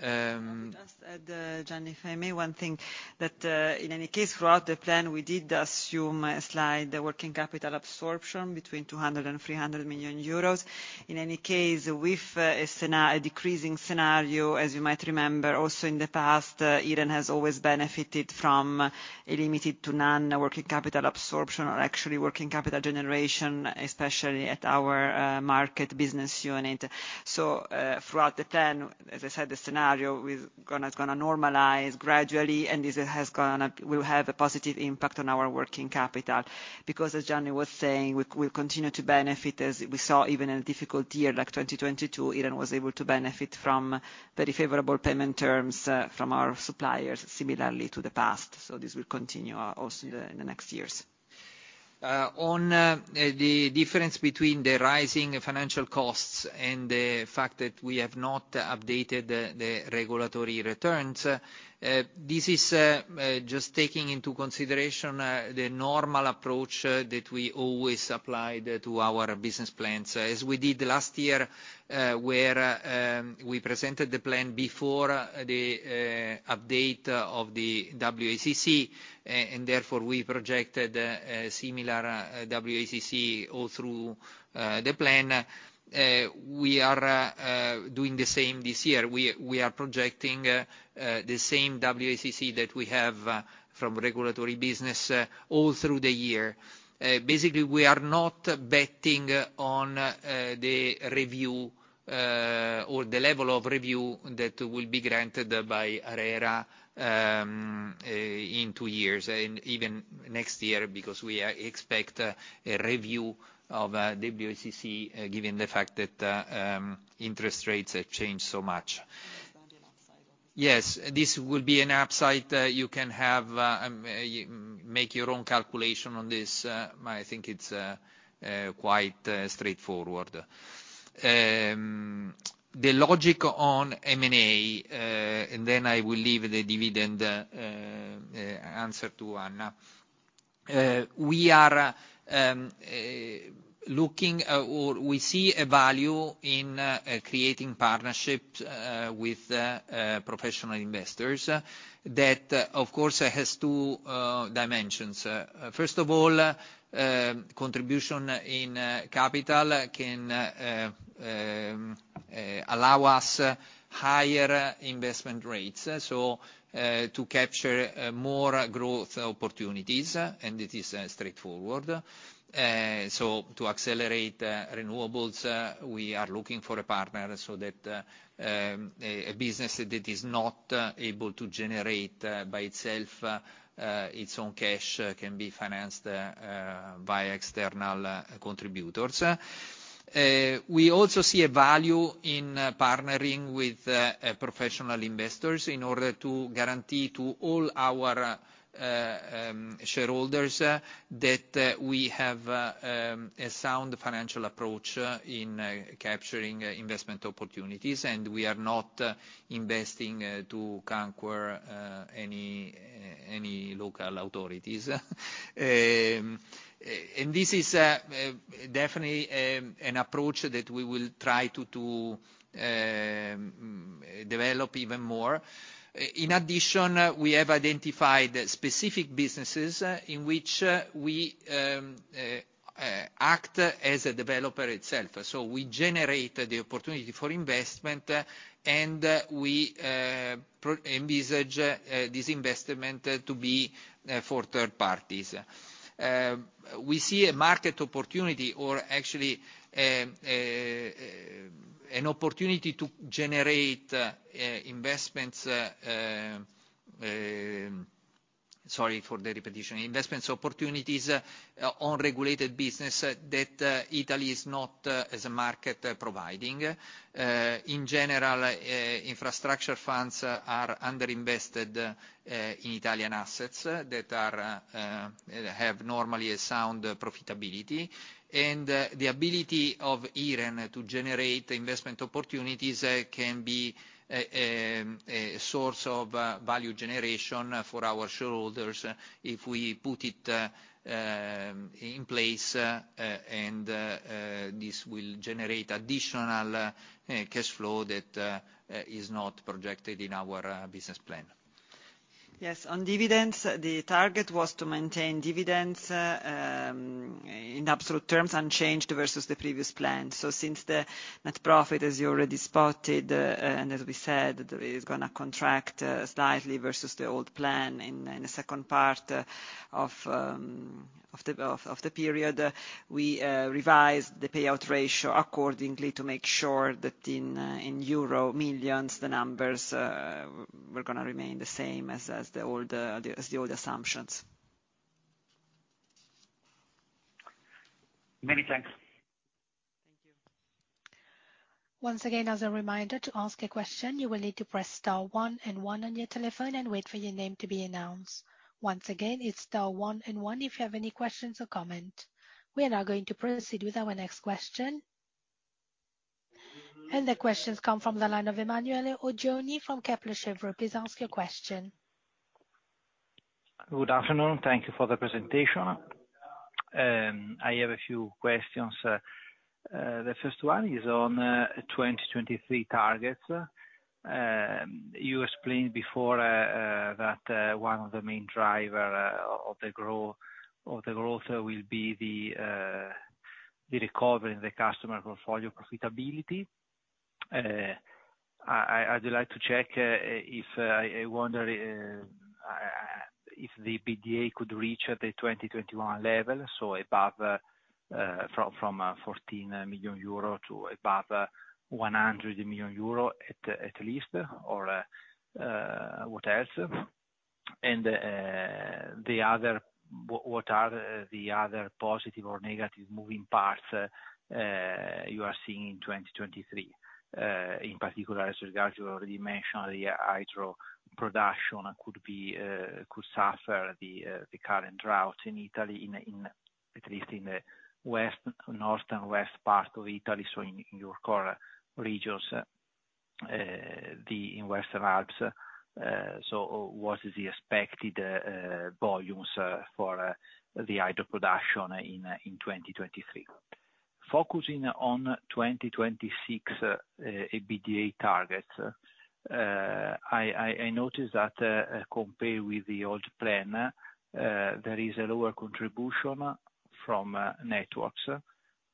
Let me just add, Gianni, if I may, one thing, that, in any case, throughout the plan, we did assume a slight working capital absorption between 200 million-300 million euros. In any case, with a decreasing scenario, as you might remember, also in the past, Eden has always benefited from a limited to none working capital absorption or actually working capital generation, especially at our market business unit. Throughout the ten, as I said, the scenario is gonna normalize gradually, and this will have a positive impact on our working capital. As Gianni was saying, we continue to benefit, as we saw even in a difficult year like 2022, Eden was able to benefit from very favorable payment terms from our suppliers, similarly to the past. This will continue, also in the next years. On the difference between the rising financial costs and the fact that we have not updated the regulatory returns, this is just taking into consideration the normal approach that we always applied to our business plans. As we did last year, where we presented the plan before the update of the WACC, and therefore we projected a similar WACC all through the plan. We are doing the same this year. We are projecting the same WACC that we have from regulatory business all through the year. Basically, we are not betting on the review or the level of review that will be granted by ARERA in two years, and even next year, because we expect a review of WACC given the fact that interest rates have changed so much. That's an upside. Yes. This will be an upside. You can have make your own calculation on this. I think it's quite straightforward. The logic on M&A, and then I will leave the dividend answer to Anna. We are looking or we see a value in creating partnerships with professional investors that, of course, has two dimensions. First of all, contribution in capital can allow us higher investment rates, so to capture more growth opportunities, and it is straightforward. So to accelerate renewables, we are looking for a partner so that a business that is not able to generate by itself its own cash can be financed by external contributors. We also see a value in partnering with professional investors in order to guarantee to all our shareholders that we have a sound financial approach in capturing investment opportunities and we are not investing to conquer any local authorities. This is definitely an approach that we will try to do develop even more. In addition, we have identified specific businesses in which we act as a developer itself. We generate the opportunity for investment, and we envisage this investment to be for third parties. We see a market opportunity or actually, an opportunity to generate investments, sorry for the repetition, investments opportunities on regulated business that Italy is not as a market providing. In general, infrastructure funds are underinvested in Italian assets that are have normally a sound profitability. The ability of Iren to generate investment opportunities can be a source of value generation for our shareholders if we put it in place, and this will generate additional cash flow that is not projected in our business plan. Yes. On dividends, the target was to maintain dividends in absolute terms unchanged versus the previous plan. Since the net profit, as you already spotted, and as we said, is going to contract slightly versus the old plan in the second part of the period, we revised the payout ratio accordingly to make sure that in euro million, the numbers were gonna remain the same as the old assumptions. Many thanks. Thank you. Once again, as a reminder, to ask a question, you will need to press star one and one on your telephone and wait for your name to be announced. Once again, it's star one and one if you have any questions or comment. We are now going to proceed with our next question. The questions come from the line of Emanuele Oggioni from Kepler Cheuvreux. Please ask your question. Good afternoon. Thank you for the presentation. I have a few questions. The first one is on 2023 targets. You explained before that one of the main driver of the growth will be the recovery in the customer portfolio profitability. I'd like to check if I wonder if the BDA could reach at the 2021 level, so above from 14 million euro to above 100 million euro at least, or what else? What are the other positive or negative moving parts you are seeing in 2023? In particular, as regards you already mentioned the hydro production could suffer the current drought in Italy, in at least in the west, north and west part of Italy, so in your core regions, the Western Alps. What is the expected volumes for the hydro production in 2023? Focusing on 2026 EBITDA targets, I noticed that compared with the old plan, there is a lower contribution from networks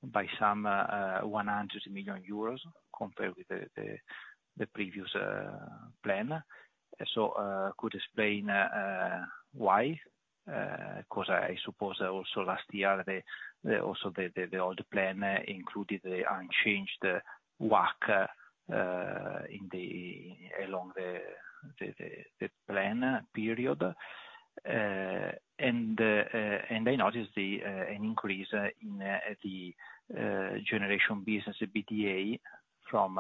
by some 100 million euros compared with the previous plan. Could you explain why? Of course, I suppose also last year the also the old plan included the unchanged WACC in the along the plan period. I noticed an increase in the generation business EBITDA from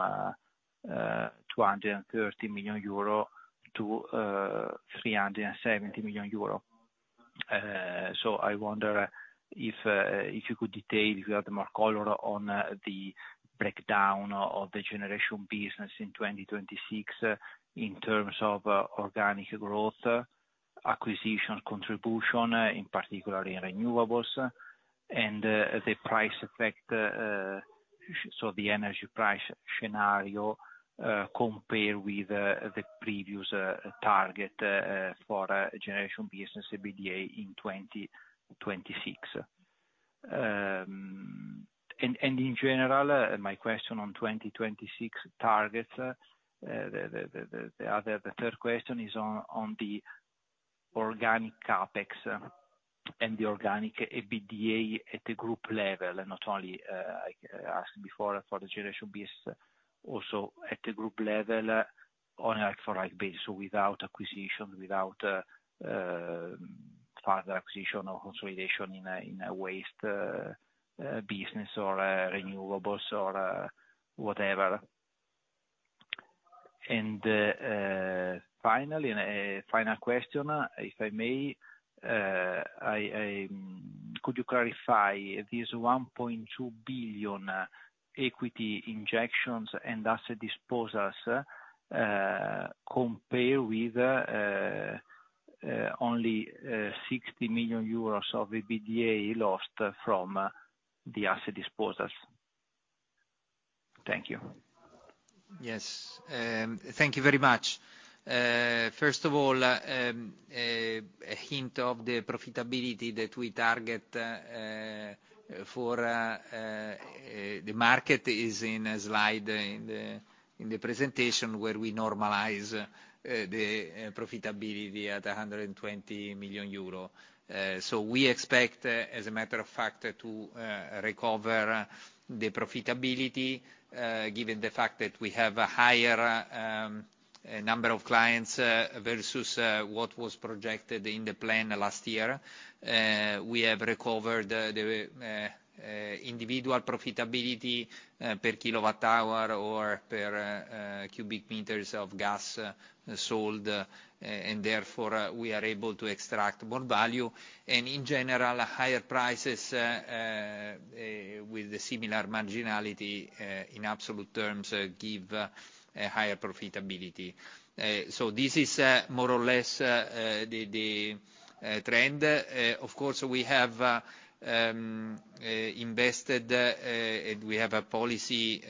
230 million euro to 370 million euro. I wonder if you could detail, if you have more color on the breakdown of the generation business in 2026 in terms of organic growth, acquisition contribution, in particular in renewables, and the price effect, so the energy price scenario, compared with the previous target for generation business EBITDA in 2026. In general, my question on 2026 targets, the other, the third question is on the organic CapEx and the organic EBITDA at the group level, not only I asked before for the generation business, also at the group level on like-for-like basis, so without acquisition, without further acquisition or consolidation in a waste business or renewables or whatever. Finally, a final question, if I may. Could you clarify these 1.2 billion equity injections and asset disposals? Compare with only €60 million of the EBITDA lost from the asset disposals. Thank you. Yes. Thank you very much. First of all, a hint of the profitability that we target for the market is in a slide in the presentation, where we normalize the profitability at 120 million euro. We expect, as a matter of fact, to recover the profitability, given the fact that we have a higher number of clients versus what was projected in the plan last year. We have recovered the individual profitability per kilowatt hour or per cubic meters of gas sold, and therefore we are able to extract more value. In general, higher prices with the similar marginality in absolute terms give a higher profitability. This is more or less the trend. Of course, we have invested and we have a policy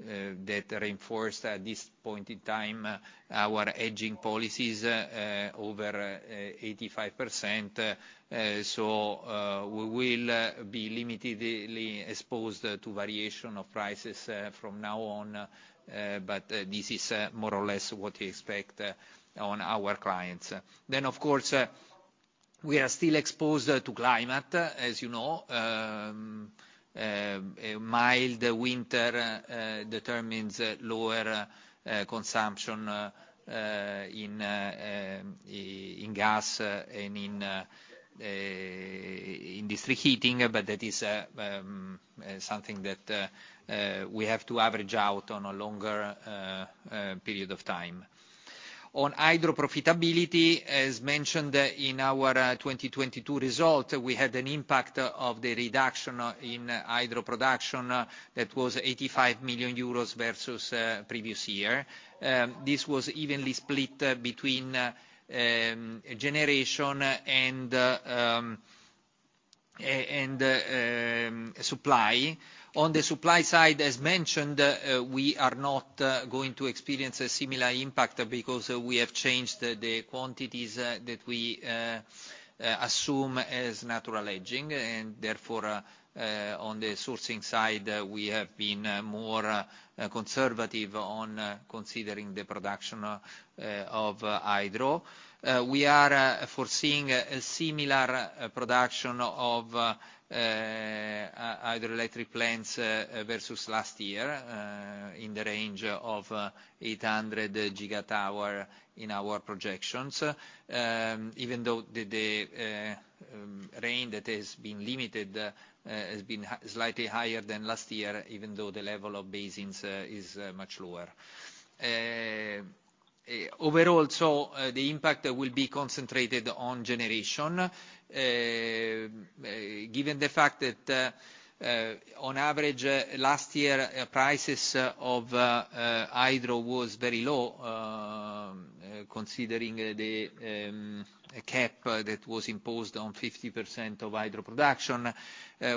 that reinforced at this point in time our hedging policies over 85%. We will be limitedly exposed to variation of prices from now on, but this is more or less what we expect on our clients. Of course, we are still exposed to climate, as you know. A mild winter determines lower consumption in gas and in industry heating, but that is something that we have to average out on a longer period of time. On hydro profitability, as mentioned in our 2022 result, we had an impact of the reduction in hydro production that was 85 million euros versus previous year. This was evenly split between generation and supply. On the supply side, as mentioned, we are not going to experience a similar impact because we have changed the quantities that we assume as natural hedging. Therefore, on the sourcing side, we have been more conservative on considering the production of hydro. We are foreseeing a similar production of hydroelectric plants versus last year, in the range of 800 GWh in our projections, even though the rain that has been limited has been slightly higher than last year, even though the level of basins is much lower. Overall, the impact will be concentrated on generation. Given the fact that on average last year, prices of hydro was very low, considering the cap that was imposed on 50% of hydro production,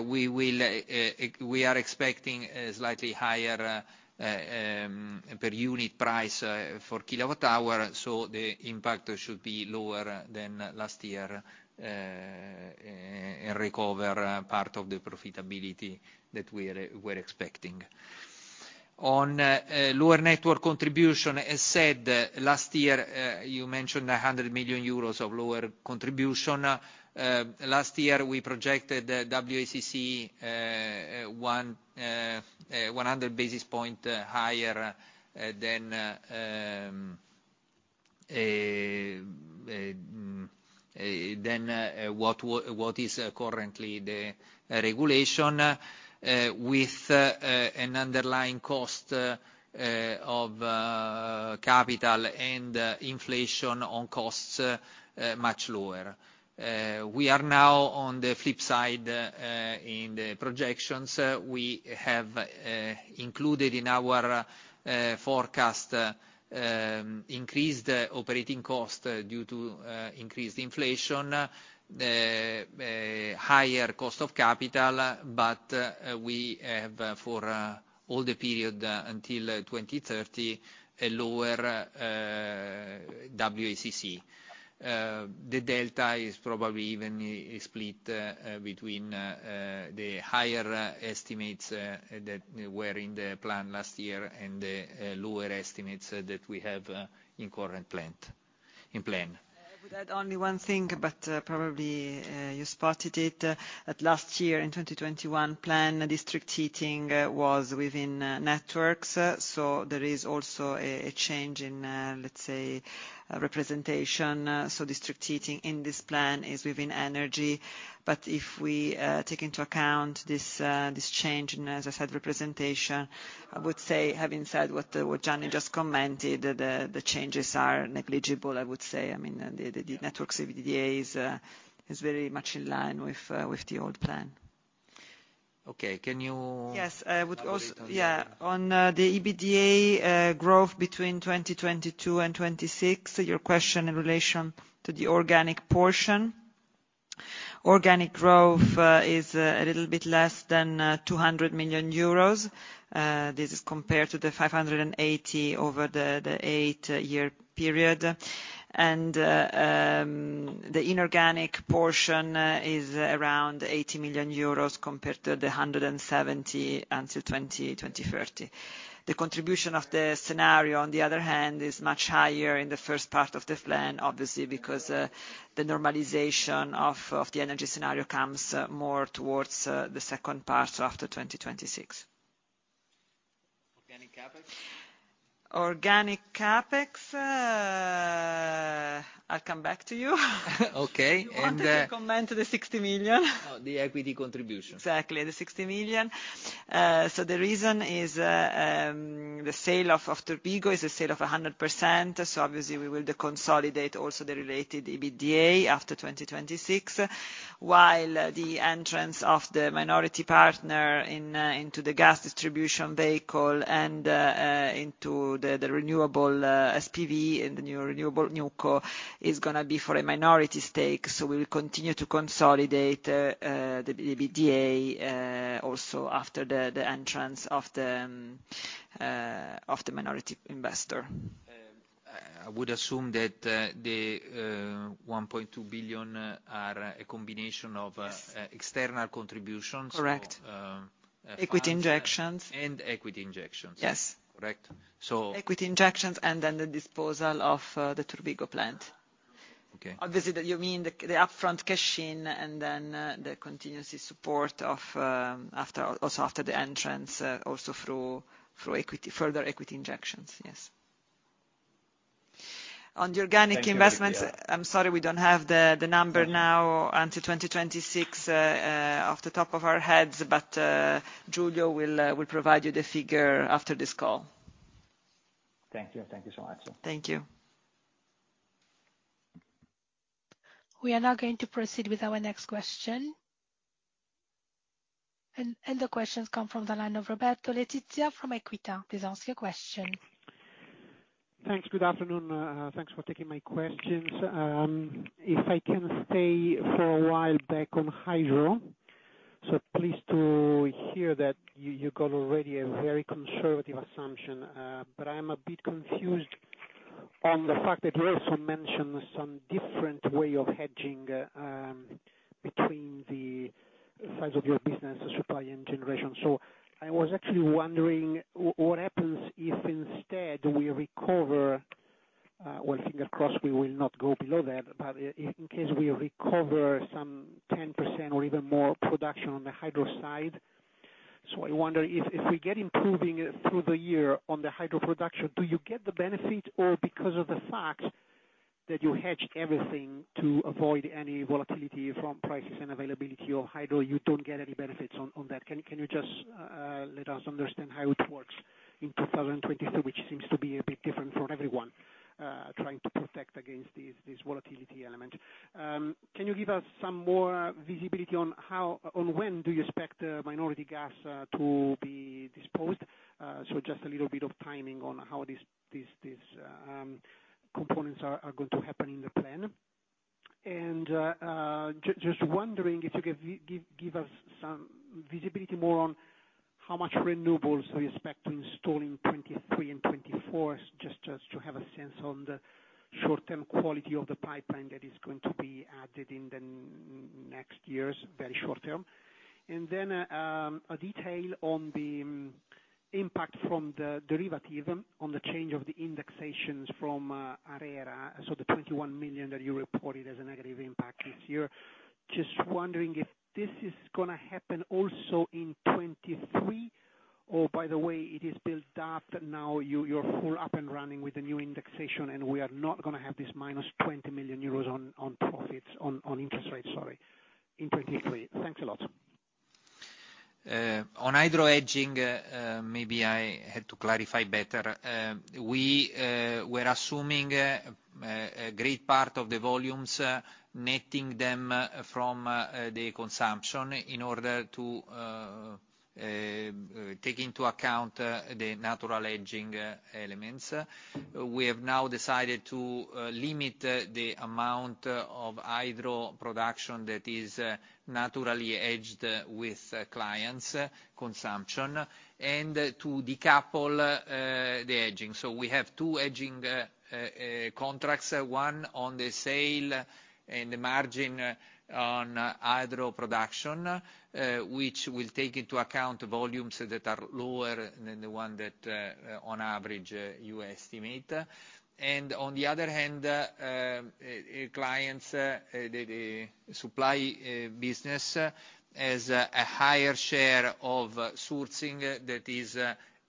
we are expecting a slightly higher per unit price for kWh, so the impact should be lower than last year, and recover part of the profitability that we're expecting. On lower network contribution, as said, last year, you mentioned 100 million euros of lower contribution. Last year, we projected WACC 100 basis points higher than what is currently the regulation, with an underlying cost of capital and inflation on costs much lower. We are now on the flip side in the projections. We have included in our forecast increased operating costs due to increased inflation, higher cost of capital, but we have for all the period until 2030, a lower WACC. The delta is probably even split between the higher estimates that were in the plan last year and the lower estimates that we have in current plant, in plan. I would add only one thing, but probably you spotted it, that last year in 2021 plan, district heating was within networks. There is also a change in, let's say, representation. District heating in this plan is within energy. If we take into account this change in, as I said, representation, I would say, having said what Gianni just commented, the changes are negligible, I would say. I mean, the network's EBITDA is very much in line with the old plan. Okay. Yes, I would yeah. On the EBITDA growth between 2022 and 2026, your question in relation to the organic portion. Organic growth is a little bit less than 200 million euros. This is compared to 580 million over the eight-year period. The inorganic portion is around 80 million euros compared to 170 million until 2030. The contribution of the scenario, on the other hand, is much higher in the first part of the plan, obviously, because the normalization of the energy scenario comes more towards the second part after 2026. Organic CapEx? Organic CapEx, I'll come back to you. Okay. You wanted to comment to the 60 million. No, the equity contribution. Exactly, the 60 million. The reason is, the sale of Turbigo is a sale of 100%, obviously we will deconsolidate also the related EBITDA after 2026. While the entrance of the minority partner in into the gas distribution vehicle and into the renewable SPV and the new renewable newco is gonna be for a minority stake, we will continue to consolidate the EBITDA also after the entrance of the minority investor. I would assume that the 1.2 billion are a combination. Yes... external contributions. Correct. So, um- Equity injections.... and equity injections. Yes. Correct. Equity injections, and then the disposal of, the Turbigo plant. Okay. Obviously, you mean the upfront cash-in, and then, the continuous support of, after, also after the entrance, also through equity, further equity injections, yes. On the organic investments. Thank you, Cecilia.... I'm sorry we don't have the number now until 2026 off the top of our heads, but Giulio will provide you the figure after this call. Thank you. Thank you so much. Thank you. We are now going to proceed with our next question. The questions come from the line of Roberto Letizia from EQUITA. Please ask your question. Thanks. Good afternoon. Thanks for taking my questions. If I can stay for a while back on Hydro. Pleased to hear that you got already a very conservative assumption, but I am a bit confused on the fact that you also mentioned some different way of hedging between the sides of your business, supply and generation. I was actually wondering what happens if instead we recover, well, finger crossed we will not go below that, but in case we recover some 10% or even more production on the Hydro side. I wonder if we get improving through the year on the Hydro production, do you get the benefit? Or because of the fact that you hedge everything to avoid any volatility from prices and availability of Hydro, you don't get any benefits on that? Can you just let us understand how it works in 2022, which seems to be a bit different for everyone, trying to protect against this volatility element. Can you give us some more visibility on when do you expect minority gas to be disposed? Just a little bit of timing on how this components are going to happen in the plan. Just wondering if you could give us some visibility more on how much renewables you expect to install in 2023 and 2024, just as to have a sense on the short-term quality of the pipeline that is going to be added in the next year's very short term. A detail on the impact from the derivative on the change of the indexations from ARERA, the 21 million that you reported as a negative impact this year. Just wondering if this is gonna happen also in 2023, or by the way it is built up now, you're full up and running with the new indexation, and we are not gonna have this minus 20 million euros on profits, on interest rates, sorry, in 2023. Thanks a lot. On hydro hedging, maybe I had to clarify better. We were assuming a great part of the volumes, netting them from the consumption in order to take into account the natural hedging elements. We have now decided to limit the amount of hydro production that is naturally hedged with clients' consumption, and to decouple the hedging. We have two hedging contracts. One on the sale and the margin on hydro production, which will take into account volumes that are lower than the one that on average you estimate. And on the other hand, um, uh, clients, uh, the, the supply, uh, business has a higher share of sourcing that is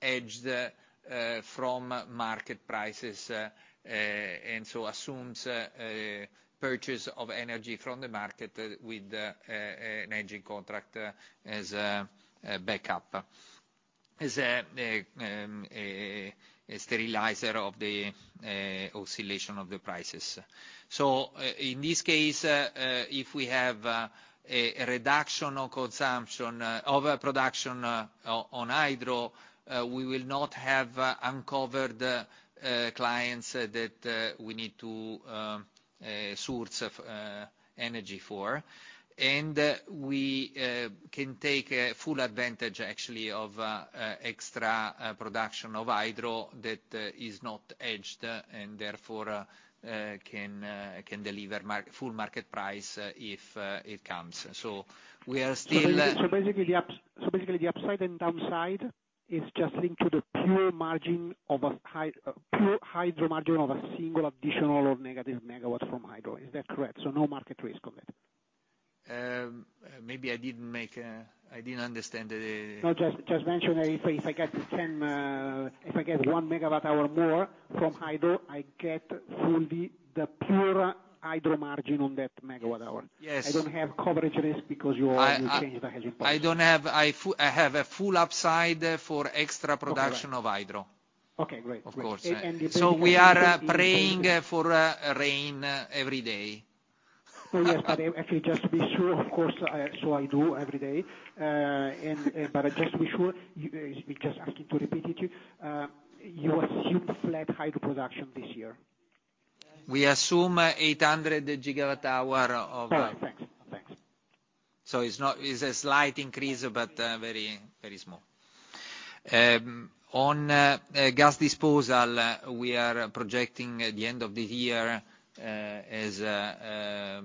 hedged, uh, from market prices, uh, uh, and so assumes, uh, purchase of energy from the market with, uh, uh, an hedging contract as a, a backup. Is a, a, um, a, a stabilizer of the, uh, oscillation of the prices. So, i-in this case, uh, uh, if we have, uh, a, a reduction of consumption... uh, overproduction, uh, o-on hydro, uh, we will not have, uh, uncovered, uh, clients that, uh, we need to, um, uh, source, uh, energy for. And we, uh, can take a full advantage actually of, uh, extra production of hydro that, uh, is not edged and therefore, uh, can, uh, can deliver mar- full market price if, uh, it comes. So we are still, uh- Basically the upside and downside is just linked to the pure margin of a pure hydro margin of a single additional or negative megawatt from hydro, is that correct? No market risk on it? Maybe I didn't understand. No, just mentioning if I get one megawatt hour more from hydro, I get fully the pure hydro margin on that megawatt hour. Yes. I don't have coverage risk because you changed the hedging policy. I don't have. I have a full upside for extra production of hydro. Okay, great. Of course. And the inaudible- We are praying for rain every day. Oh, yes. Actually just to be sure, of course, I do every day. Just to be sure, Just asking to repeat it to you. You assume flat hydro production this year? We assume 800 gigawatt hour of. Perfect. Thanks. Thanks. It's not... It's a slight increase, but very, very small. On gas disposal, we are projecting at the end of the year as the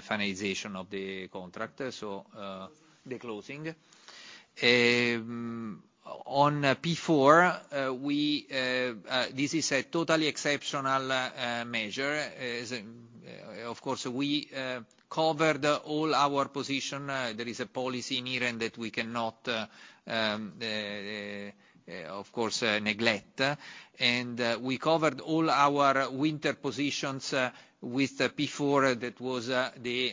finalization of the contract. The closing. On P4, we, this is a totally exceptional measure. Is, of course, we covered all our position. There is a policy in here that we cannot, of course, neglect. We covered all our winter positions with P4. That was the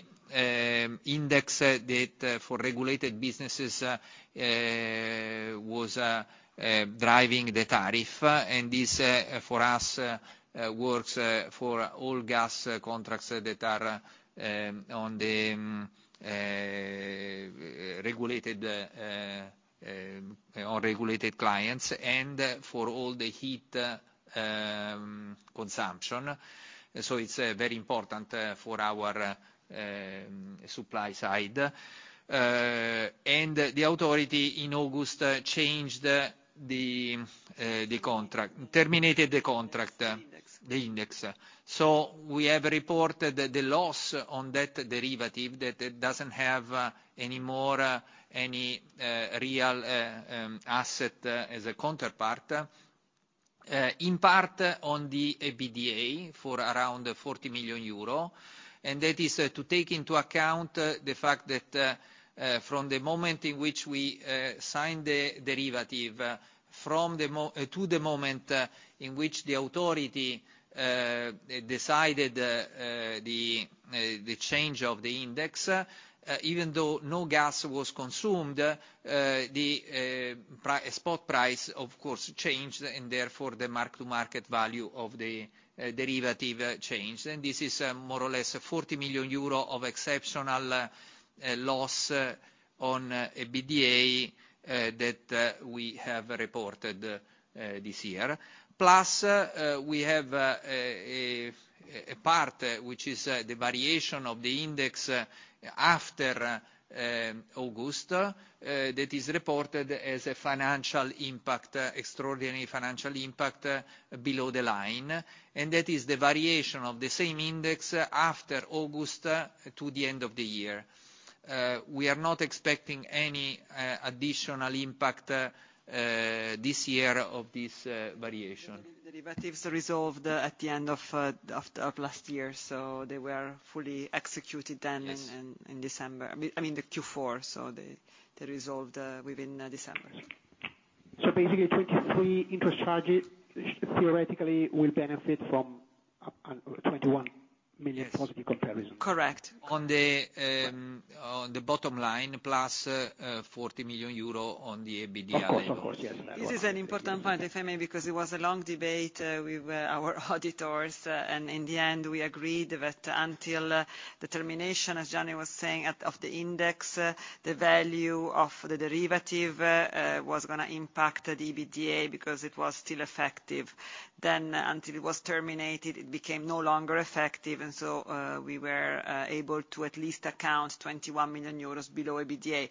index that for regulated businesses was driving the tariff. This for us works for all gas contracts that are on the regulated or regulated clients, and for all the heat consumption. It's very important for our supply side. The authority in August changed the, terminated the contract. The index. The index. We have reported the loss on that derivative, that it doesn't have any more, any real asset as a counterpart. In part on the EBITDA for around 40 million euro. That is to take into account the fact that from the moment in which we signed the derivative, to the moment in which the authority decided the change of the index. Even though no gas was consumed, the spot price, of course, changed, and therefore the mark-to-market value of the derivative changed. This is more or less a 40 million euro of exceptional loss on EBITDA that we have reported this year. Plus, we have a part which is the variation of the index after August, that is reported as a financial impact, extraordinary financial impact below the line. That is the variation of the same index after August to the end of the year. We are not expecting any additional impact this year of this variation. The derivatives are resolved at the end of last year, so they were fully executed. Yes. In December. I mean the Q4, so they resolved within December. Basically 23 interest charges theoretically will benefit from up 21 million... Yes. Positive comparison. Correct. On the bottom line, plus, 40 million euro on the EBITDA. Of course. Of course. Yes. This is an important point, if I may, because it was a long debate, with our auditors, and in the end we agreed that until the termination, as Gianni was saying, at, of the index, the value of the derivative, was gonna impact the EBITDA because it was still effective then. Until it was terminated, it became no longer effective. We were able to at least account 21 million euros below EBITDA.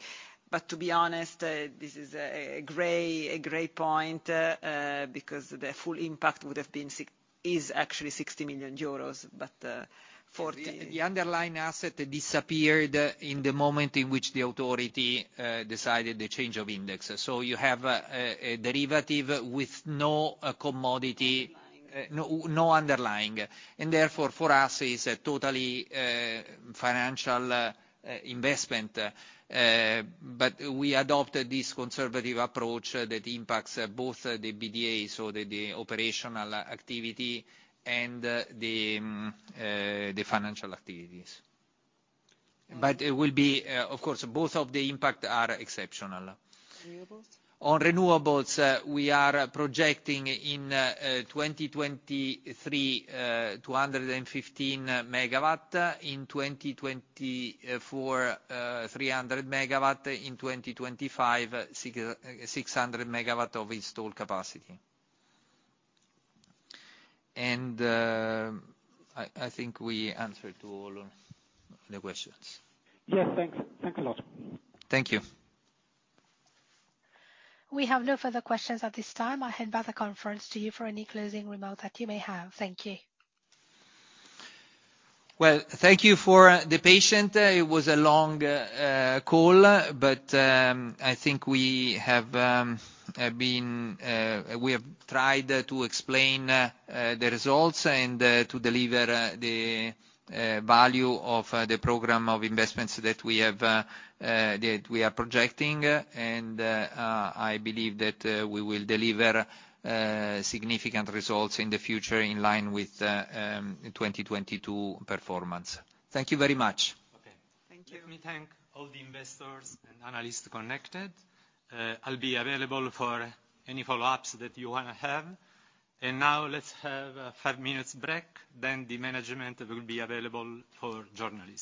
This is a gray point, because the full impact would have been is actually 60 million euros, but, forty- The underlying asset disappeared in the moment in which the authority decided the change of index. You have a derivative with no commodity- Underlying. No, no underlying. Therefore, for us is a totally financial investment. We adopted this conservative approach that impacts both the EBITDA, so the operational activity and the financial activities. It will be, of course, both of the impact are exceptional. Renewables? On renewables, we are projecting in 2023, 215 megawatt. In 2024, 300 megawatt. In 2025, 600 megawatt of installed capacity. I think we answered to all of the questions. Yes. Thanks. Thanks a lot. Thank you. We have no further questions at this time. I hand back the conference to you for any closing remarks that you may have. Thank you. Well, thank you for the patience. It was a long call, but I think we have tried to explain the results and to deliver the value of the program of investments that we have that we are projecting. I believe that we will deliver significant results in the future in line with 2022 performance. Thank you very much. Okay. Thank you. Let me thank all the investors and analysts connected. I'll be available for any follow-ups that you wanna have. Now let's have a five minutes break. The management will be available for journalists.